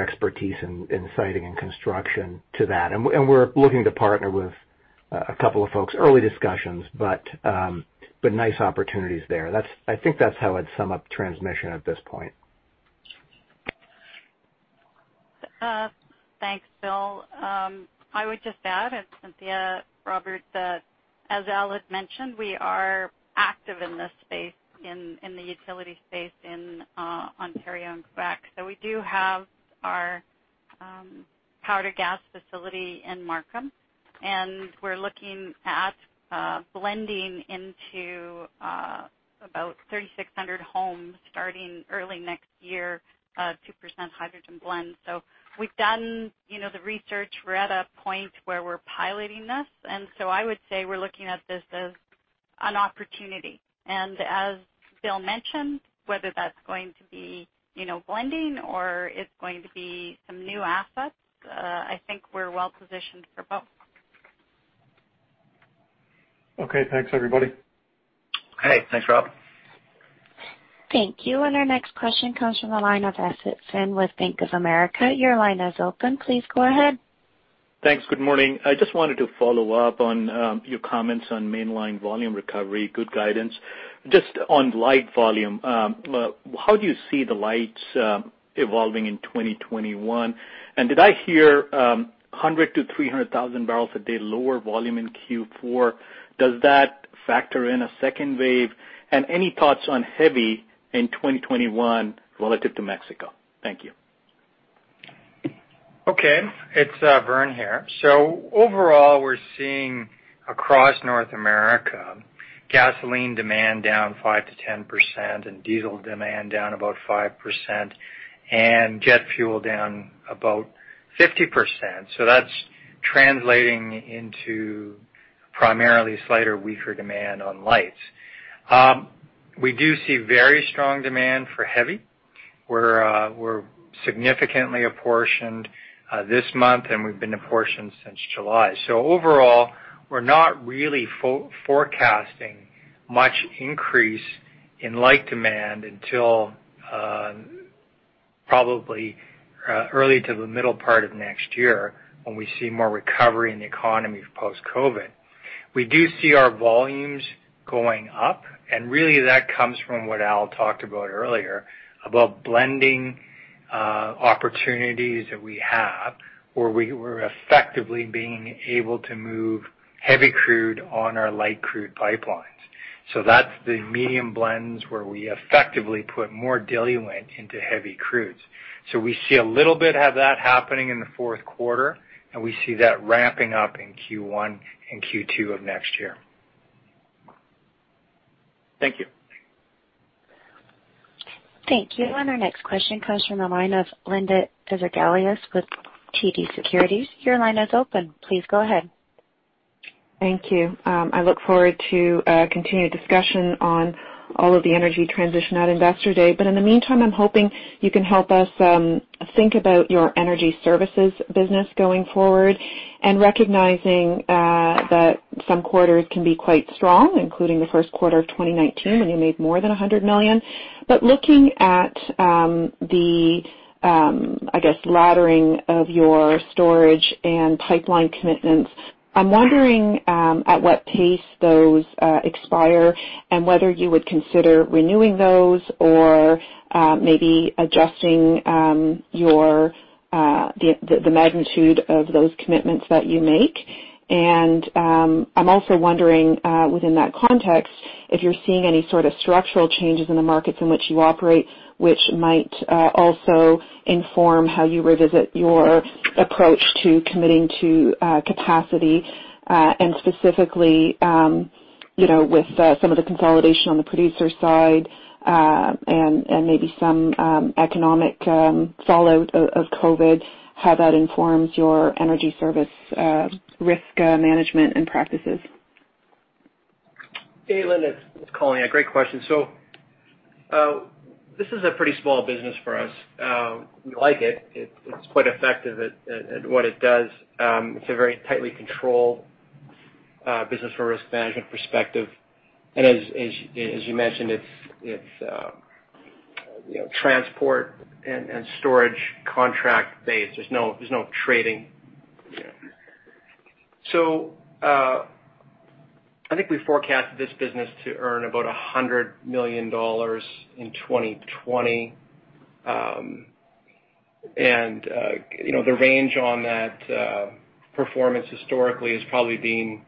expertise in siting and construction to that. We're looking to partner with a couple of folks. Early discussions, but nice opportunities there. I think that's how I'd sum up transmission at this point. Thanks, Bill. I would just add, it's Cynthia, Robert, as Al had mentioned, we are active in this space, in the utility space in Ontario and Quebec. We do have our power-to-gas facility in Markham, and we're looking at blending into about 3,600 homes starting early next year, 2% hydrogen blend. We've done the research. We're at a point where we're piloting this. I would say we're looking at this as an opportunity. As Bill mentioned, whether that's going to be blending or it's going to be some new assets, I think we're well-positioned for both. Okay. Thanks, everybody. Okay. Thanks, Rob. Thank you. Our next question comes from the line of Asit Sen with Bank of America. Your line is open. Please go ahead. Thanks. Good morning. I just wanted to follow up on your comments on mainline volume recovery. Good guidance. Just on light volume, how do you see the lights evolving in 2021? Did I hear 100,000 barrels-300,000 barrels a day lower volume in Q4? Does that factor in a second wave? Any thoughts on heavy in 2021 relative to Mexico? Thank you. Okay. It's Vern here. Overall, we're seeing across North America, gasoline demand down 5%-10% and diesel demand down about 5% and jet fuel down about 50%. That's translating into primarily slighter weaker demand on lights. We do see very strong demand for heavy. We're significantly apportioned this month, and we've been apportioned since July. Overall, we're not really forecasting much increase in light demand until probably early to the middle part of next year when we see more recovery in the economy of post-COVID. We do see our volumes going up, and really that comes from what Al talked about earlier, about blending opportunities that we have, where we were effectively being able to move heavy crude on our light crude pipelines. That's the medium blends where we effectively put more diluent into heavy crudes. We see a little bit of that happening in the fourth quarter, and we see that ramping up in Q1 and Q2 of next year. Thank you. Thank you. Our next question comes from the line of Linda Ezergailis with TD Securities. Your line is open. Please go ahead. Thank you. I look forward to a continued discussion on all of the energy transition at Investor Day. In the meantime, I'm hoping you can help us think about your energy services business going forward and recognizing that some quarters can be quite strong, including the first quarter of 2019 when you made more than 100 million. Looking at the, I guess, laddering of your storage and pipeline commitments, I'm wondering at what pace those expire and whether you would consider renewing those or maybe adjusting the magnitude of those commitments that you make. I'm also wondering, within that context, if you're seeing any sort of structural changes in the markets in which you operate, which might also inform how you revisit your approach to committing to capacity, and specifically with some of the consolidation on the producer side and maybe some economic fallout of COVID, how that informs your energy service risk management and practices. Hey, Linda. It's Colin. Great question. This is a pretty small business for us. We like it. It's quite effective at what it does. It's a very tightly controlled business from a risk management perspective. As you mentioned, it's transport and storage contract-based. There's no trading. I think we forecast this business to earn about 100 million dollars in 2020. The range on that performance historically has probably been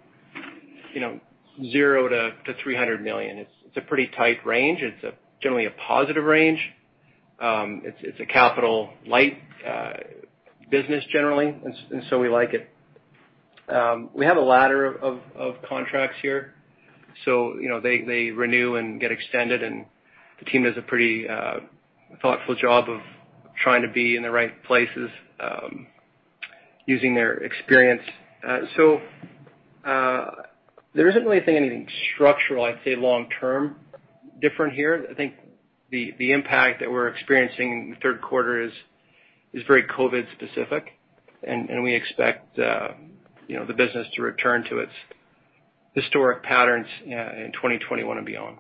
0-300 million. It's a pretty tight range. It's generally a positive range. It's a capital light business generally, and so we like it. We have a ladder of contracts here. They renew and get extended, and the team does a pretty thoughtful job of trying to be in the right places using their experience. There isn't really anything structurally, I'd say, long-term different here. I think the impact that we're experiencing in the third quarter is very COVID-specific, and we expect the business to return to its historic patterns in 2021 and beyond.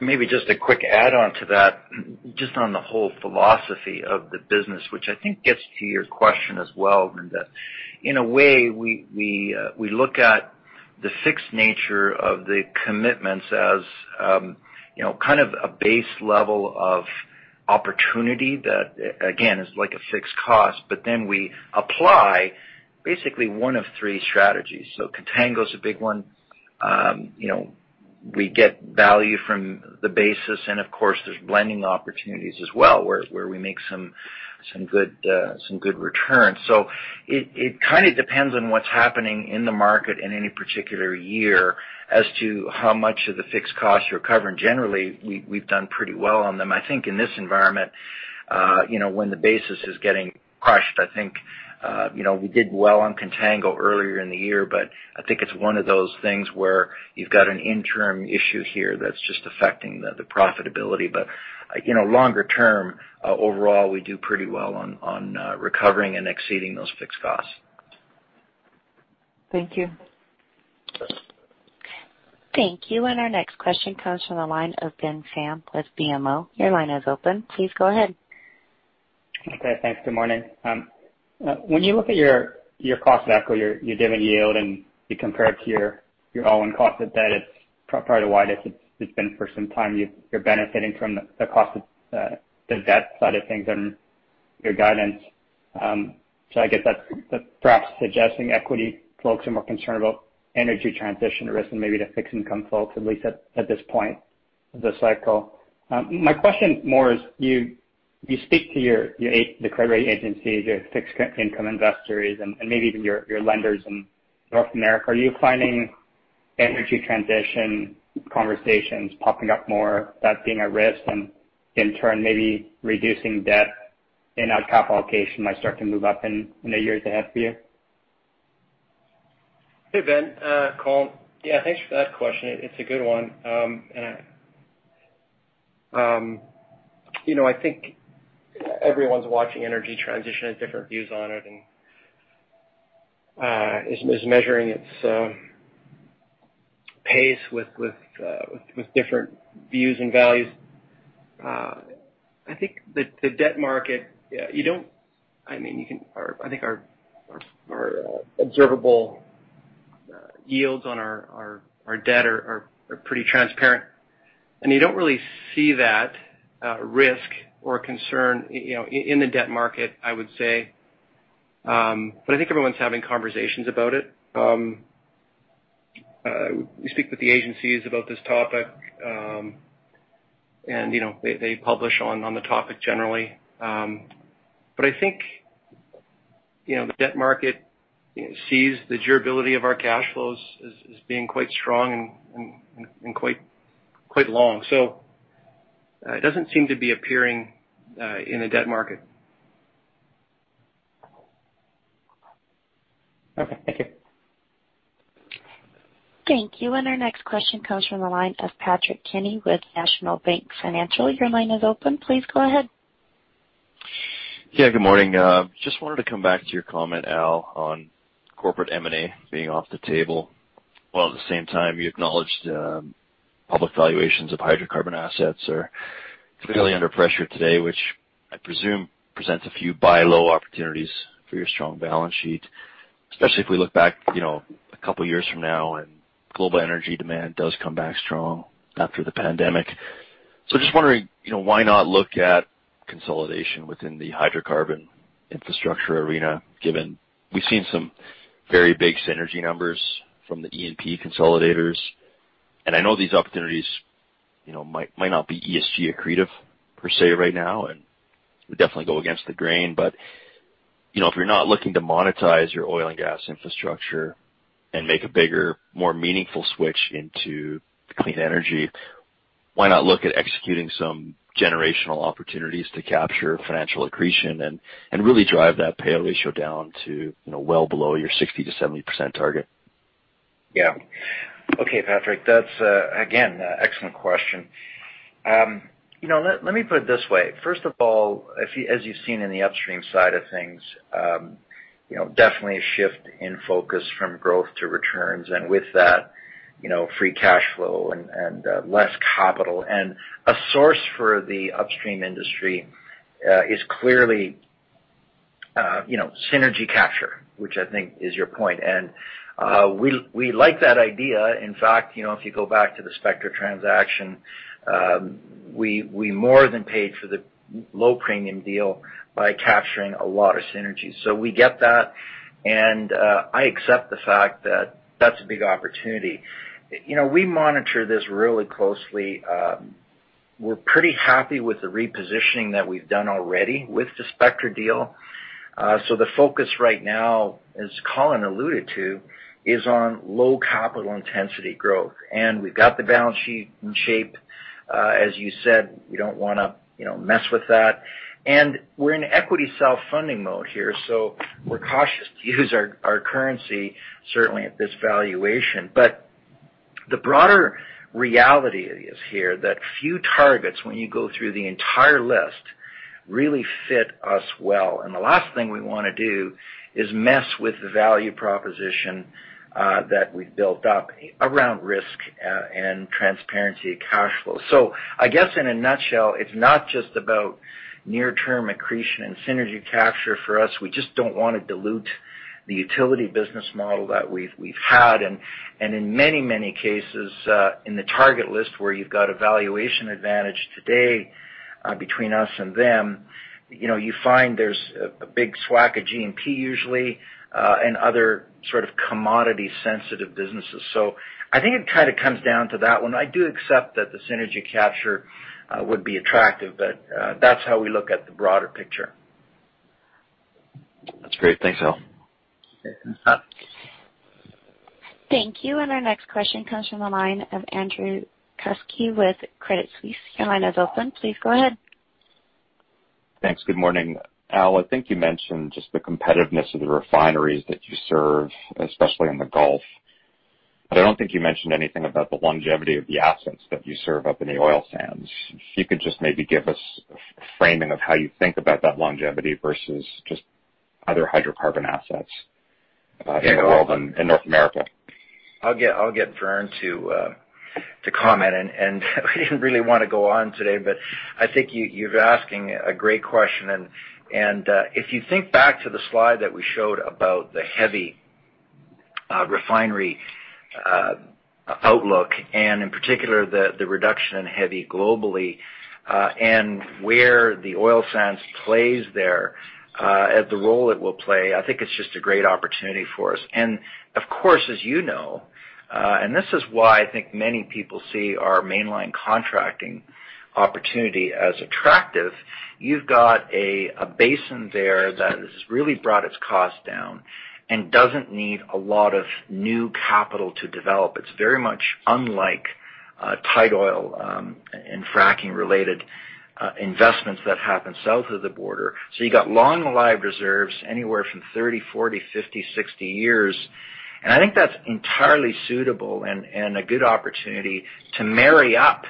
Maybe just a quick add-on to that, just on the whole philosophy of the business, which I think gets to your question as well, Linda. In a way, we look at the fixed nature of the commitments as kind of a base level of opportunity that, again, is like a fixed cost. We apply basically one of three strategies. contango is a big one. We get value from the basis, and of course, there's blending opportunities as well, where we make some good returns. It kind of depends on what's happening in the market in any particular year as to how much of the fixed costs you're covering. Generally, we've done pretty well on them. I think in this environment. When the basis is getting crushed, I think we did well on contango earlier in the year, but I think it's one of those things where you've got an interim issue here that's just affecting the profitability. Longer term, overall, we do pretty well on recovering and exceeding those fixed costs. Thank you. Thank you. Our next question comes from the line of Ben Pham with BMO. Your line is open. Please go ahead. Okay, thanks. Good morning. When you look at your cost of equity, your dividend yield, and you compare it to your own cost of debt, it's probably the widest it's been for some time. You're benefiting from the cost of the debt side of things and your guidance. I guess that's perhaps suggesting equity folks are more concerned about energy transition risk than maybe the fixed income folks, at least at this point of the cycle. My question more is, you speak to the credit rating agencies, your fixed income investors, and maybe even your lenders in North America. Are you finding energy transition conversations popping up more, that being at risk and in turn maybe reducing debt and our capital allocation might start to move up in the years ahead for you? Hey, Ben. Colin. Yeah, thanks for that question. It's a good one. I think everyone's watching energy transition, has different views on it, and is measuring its pace with different views and values. I think our observable yields on our debt are pretty transparent, and you don't really see that risk or concern in the debt market, I would say. I think everyone's having conversations about it. We speak with the agencies about this topic, and they publish on the topic generally. I think the debt market sees the durability of our cash flows as being quite strong and quite long. It doesn't seem to be appearing in the debt market. Okay. Thank you. Thank you. Our next question comes from the line of Patrick Kenny with National Bank Financial. Your line is open. Please go ahead. Yeah, good morning. Just wanted to come back to your comment, Al, on corporate M&A being off the table, while at the same time you acknowledged public valuations of hydrocarbon assets are clearly under pressure today, which I presume presents a few buy low opportunities for your strong balance sheet. Especially if we look back a couple of years from now and global energy demand does come back strong after the pandemic. Just wondering, why not look at consolidation within the hydrocarbon infrastructure arena, given we've seen some very big synergy numbers from the E&P consolidators? I know these opportunities might not be ESG accretive per se right now, and would definitely go against the grain. If you're not looking to monetize your oil and gas infrastructure and make a bigger, more meaningful switch into clean energy, why not look at executing some generational opportunities to capture financial accretion and really drive that pay ratio down to well below your 60%-70% target? Yeah. Okay, Patrick, that's again, an excellent question. Let me put it this way. First of all, as you've seen in the upstream side of things, definitely a shift in focus from growth to returns, and with that, free cash flow and less capital. A source for the upstream industry is clearly synergy capture, which I think is your point. We like that idea. In fact, if you go back to the Spectra transaction, we more than paid for the low premium deal by capturing a lot of synergies. We get that, and I accept the fact that that's a big opportunity. We monitor this really closely. We're pretty happy with the repositioning that we've done already with the Spectra deal. The focus right now, as Colin alluded to, is on low capital intensity growth. We've got the balance sheet in shape. As you said, we don't want to mess with that. We're in equity self-funding mode here, so we're cautious to use our currency, certainly at this valuation. The broader reality is here that few targets, when you go through the entire list, really fit us well. The last thing we want to do is mess with the value proposition that we've built up around risk and transparency of cash flow. I guess in a nutshell, it's not just about near-term accretion and synergy capture for us. We just don't want to dilute the utility business model that we've had. In many, many cases, in the target list where you've got a valuation advantage today between us and them, you find there's a big swack of G&P usually, and other sort of commodity sensitive businesses. I think it kind of comes down to that one. I do accept that the synergy capture would be attractive, but that's how we look at the broader picture. That's great. Thanks, Al. Thank you. Our next question comes from the line of Andrew Kuske with Credit Suisse. Your line is open. Please go ahead. Thanks. Good morning. Al, I think you mentioned just the competitiveness of the refineries that you serve, especially in the Gulf, but I don't think you mentioned anything about the longevity of the assets that you serve up in the oil sands. If you could just maybe give us a framing of how you think about that longevity versus just other hydrocarbon assets in the world and North America. I'll get Vern to comment. We didn't really want to go on today, but I think you're asking a great question, if you think back to the slide that we showed about the heavy refinery outlook in particular, the reduction in heavy globally, where the oil sands plays there, the role it will play, I think it's just a great opportunity for us. Of course, as you know, this is why I think many people see our mainline contracting opportunity as attractive, you've got a basin there that has really brought its cost down, doesn't need a lot of new capital to develop. It's very much unlike tight oil and fracking-related investments that happen south of the border. You got long-lived reserves anywhere from 30, 40, 50, 60 years. I think that's entirely suitable and a good opportunity to marry up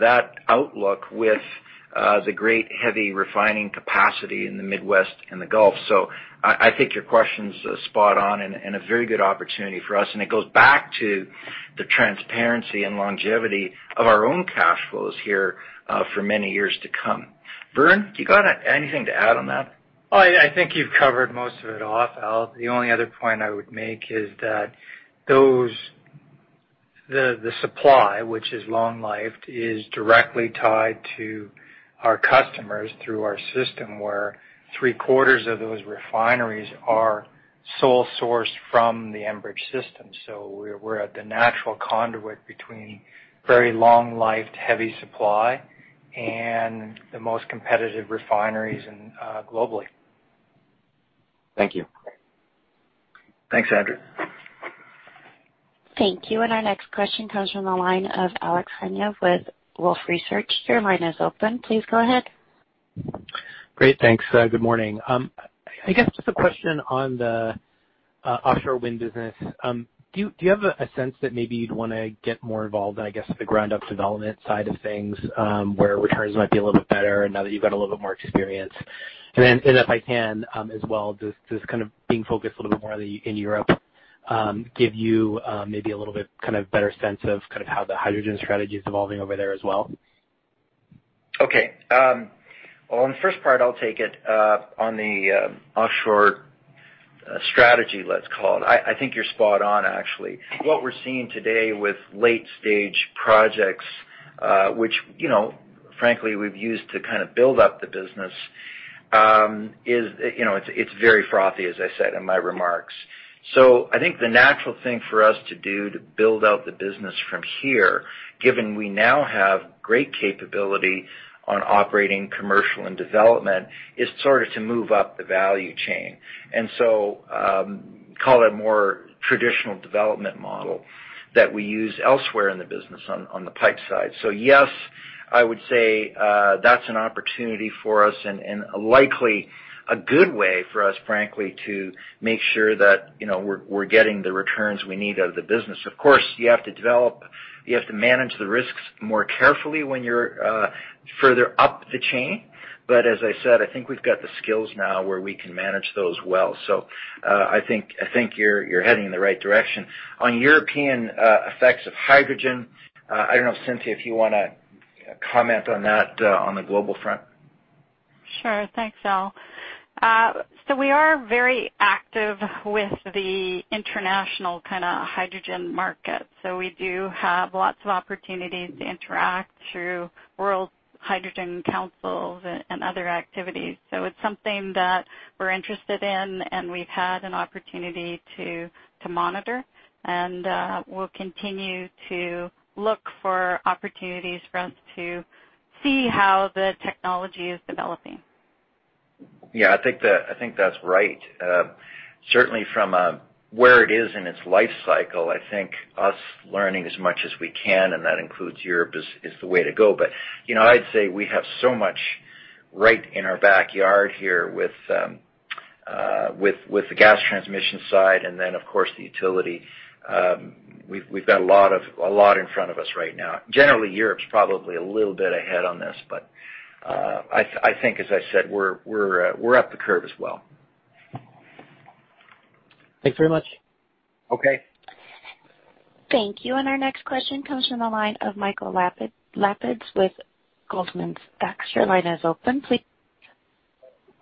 that outlook with the great heavy refining capacity in the Midwest and the Gulf. I think your question's spot on and a very good opportunity for us, and it goes back to the transparency and longevity of our own cash flows here for many years to come. Vern, do you got anything to add on that? I think you've covered most of it off, Al. The only other point I would make is that the supply, which is long-lived, is directly tied to our customers through our system where three-quarters of those refineries are sole-sourced from the Enbridge system. We're at the natural conduit between very long-lived heavy supply and the most competitive refineries globally. Thank you. Thanks, Andrew. Thank you. Our next question comes from the line of Alex Kania with Wolfe Research. Your line is open. Please go ahead. Great. Thanks. Good morning. I guess just a question on the offshore wind business. Do you have a sense that maybe you'd want to get more involved in, I guess, the ground-up development side of things, where returns might be a little bit better and now that you've got a little bit more experience? If I can as well, does kind of being focused a little bit more in Europe give you maybe a little bit better sense of how the hydrogen strategy is evolving over there as well? Okay. Well, on the first part, I'll take it. On the offshore strategy, let's call it, I think you're spot on, actually. What we're seeing today with late-stage projects, which frankly, we've used to build up the business, it's very frothy, as I said in my remarks. I think the natural thing for us to do to build out the business from here, given we now have great capability on operating commercial and development, is to move up the value chain. Call it a more traditional development model that we use elsewhere in the business on the pipe side. Yes, I would say that's an opportunity for us and likely a good way for us, frankly, to make sure that we're getting the returns we need out of the business. Of course, you have to manage the risks more carefully when you're further up the chain. As I said, I think we've got the skills now where we can manage those well. I think you're heading in the right direction. On European effects of hydrogen, I don't know, Cynthia, if you want to comment on that on the global front. Sure. Thanks, Al. We are very active with the international hydrogen market. We do have lots of opportunities to interact through World Hydrogen Council and other activities. It's something that we're interested in, and we've had an opportunity to monitor, and we'll continue to look for opportunities for us to see how the technology is developing. Yeah, I think that's right. Certainly from where it is in its life cycle, I think us learning as much as we can, and that includes Europe, is the way to go. I'd say we have so much right in our backyard here with the Gas Transmission side and then, of course, the Utility. We've got a lot in front of us right now. Generally, Europe's probably a little bit ahead on this. I think, as I said, we're up the curve as well. Thanks very much. Okay. Thank you. Our next question comes from the line of Michael Lapides with Goldman Sachs. Your line is open, please.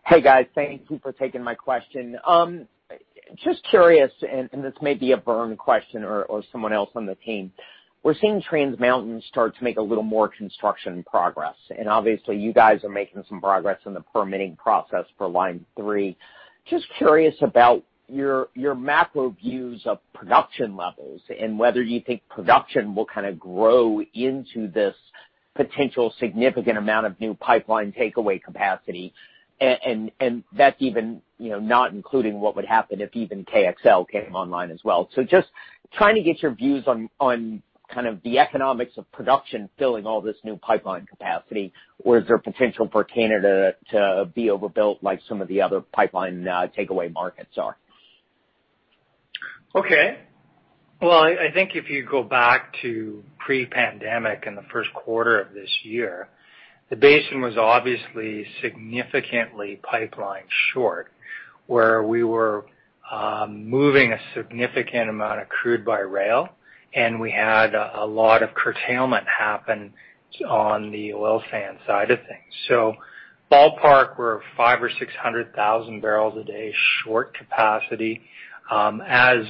Hey, guys. Thank you for taking my question. Just curious, and this may be a Vern question or someone else on the team. We're seeing Trans Mountain start to make a little more construction progress, and obviously, you guys are making some progress in the permitting process for Line 3. Just curious about your macro views of production levels and whether you think production will grow into this potential significant amount of new pipeline takeaway capacity, and that's even not including what would happen if even KXL came online as well. Just trying to get your views on the economics of production filling all this new pipeline capacity. Is there potential for Canada to be overbuilt like some of the other pipeline takeaway markets are? Well, I think if you go back to pre-pandemic in the first quarter of this year, the basin was obviously significantly pipelined short, where we were moving a significant amount of crude by rail, and we had a lot of curtailment happen on the oil sand side of things. Ballpark, we're 500,000 barrels or 600,000 barrels a day short capacity as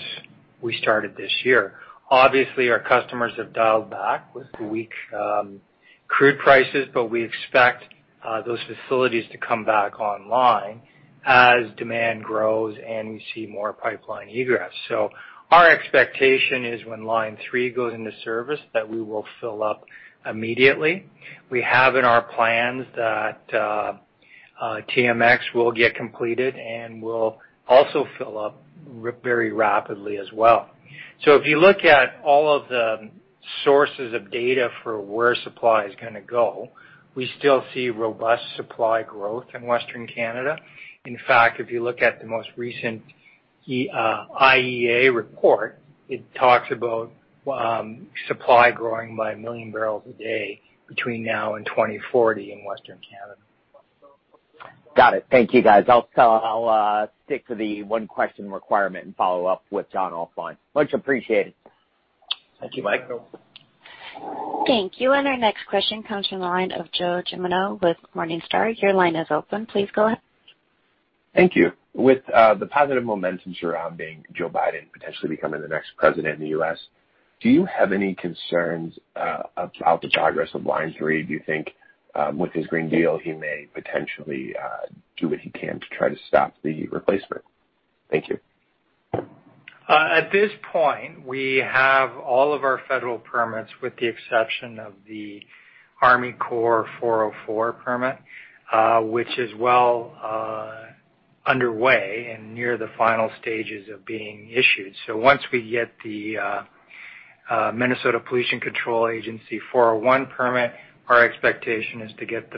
we started this year. Obviously, our customers have dialed back with weak crude prices, but we expect those facilities to come back online as demand grows and we see more pipeline egress. Our expectation is when Line 3 goes into service, that we will fill up immediately. We have in our plans that TMX will get completed, and we'll also fill up very rapidly as well. If you look at all of the sources of data for where supply is going to go, we still see robust supply growth in Western Canada. In fact, if you look at the most recent IEA report, it talks about supply growing by a million barrels a day between now and 2040 in Western Canada. Got it. Thank you, guys. I'll stick to the one-question requirement and follow up with John offline. Much appreciated. Thank you, Mike. Thank you. Our next question comes from the line of Joe Gemino with Morningstar. Your line is open. Please go ahead. Thank you. With the positive momentum surrounding Joe Biden potentially becoming the next president of the U.S., do you have any concerns about the progress of Line 3? Do you think with his Green Deal, he may potentially do what he can to try to stop the replacement? Thank you. At this point, we have all of our federal permits, with the exception of the Army Corps 404 permit, which is well underway and near the final stages of being issued. Once we get the Minnesota Pollution Control Agency 401 permit, our expectation is to get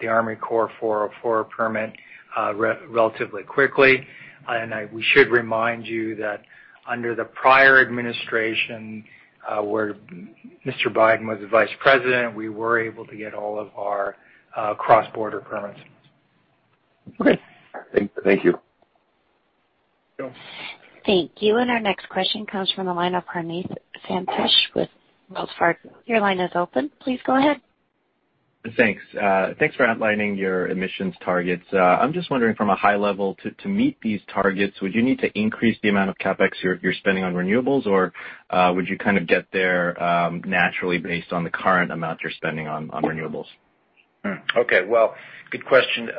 the Army Corps 404 permit relatively quickly. We should remind you that under the prior administration, where Mr. Biden was vice president, we were able to get all of our cross-border permits. Okay. Thank you. Sure. Thank you. Our next question comes from the line of Praneeth Satish with Wells Fargo. Your line is open. Please go ahead. Thanks. Thanks for outlining your emissions targets. I'm just wondering from a high level, to meet these targets, would you need to increase the amount of CapEx you're spending on renewables, or would you kind of get there naturally based on the current amount you're spending on renewables? Okay. Well, good question.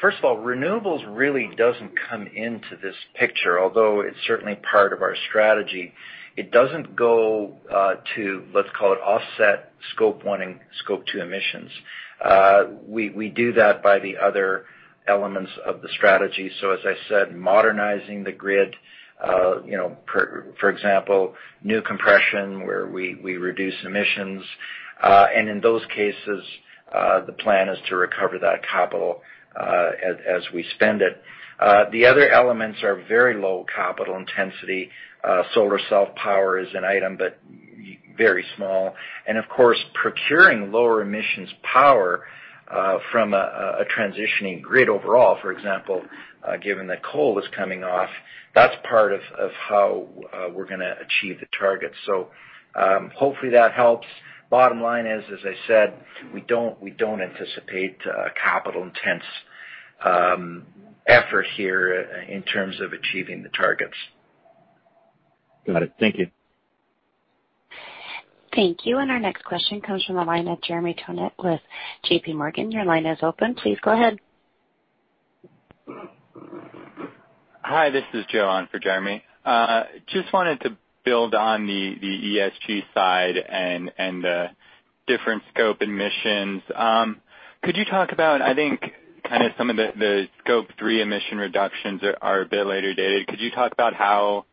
First of all, renewables really doesn't come into this picture, although it's certainly part of our strategy. It doesn't go to, let's call it, offset Scope 1 and Scope 2 emissions. We do that by the other elements of the strategy. As I said, modernizing the grid, for example, new compression where we reduce emissions. In those cases, the plan is to recover that capital as we spend it. The other elements are very low capital intensity. Solar self-power is an item, but very small. Of course, procuring lower emissions power from a transitioning grid overall, for example, given that coal is coming off, that's part of how we're going to achieve the target. Hopefully that helps. Bottom line is, as I said, we don't anticipate a capital-intense effort here in terms of achieving the targets. Got it. Thank you. Thank you. Our next question comes from the line of Jeremy Tonet with JPMorgan. Your line is open. Please go ahead. Hi, this is Joe on for Jeremy. Just wanted to build on the ESG side and the different scope emissions. Could you talk about, I think some of the Scope 3 emission reductions are a bit later dated. Could you talk about how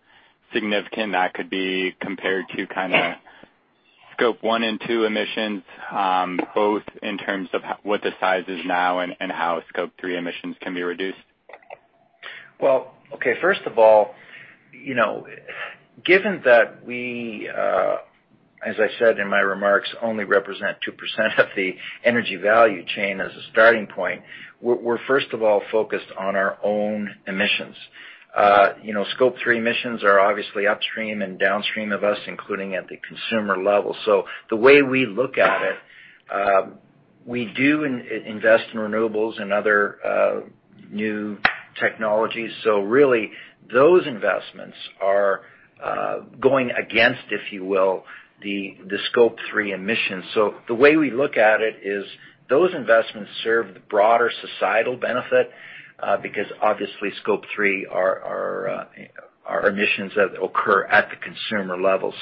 significant that could be compared to kind of Scope 1 and Scope 2 emissions, both in terms of what the size is now and how Scope 3 emissions can be reduced? Okay, first of all, given that we, as I said in my remarks, only represent 2% of the energy value chain as a starting point, we're first of all focused on our own emissions. Scope 3 emissions are obviously upstream and downstream of us, including at the consumer level. The way we look at it, we do invest in renewables and other new technologies. Really those investments are going against, if you will, the Scope 3 emissions. The way we look at it is those investments serve the broader societal benefit because obviously Scope 3 are emissions that occur at the consumer level.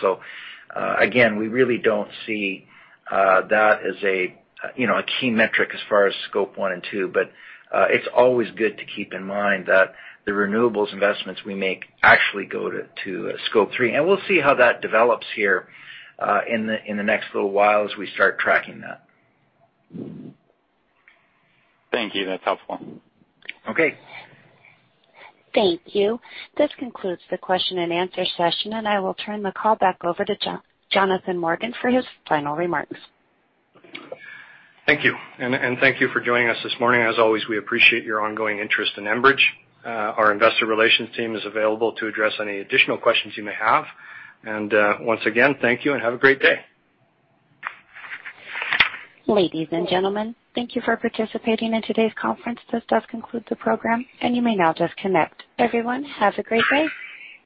Again, we really don't see that as a key metric as far as Scope 1 and 2, but it's always good to keep in mind that the renewables investments we make actually go to Scope 3. We'll see how that develops here in the next little while as we start tracking that. Thank you. That is helpful. Okay. Thank you. This concludes the question and answer session, and I will turn the call back over to Jonathan Morgan for his final remarks. Thank you. Thank you for joining us this morning. As always, we appreciate your ongoing interest in Enbridge. Our investor relations team is available to address any additional questions you may have. Once again, thank you and have a great day. Ladies and gentlemen, thank you for participating in today's conference. This does conclude the program, and you may now disconnect. Everyone, have a great day.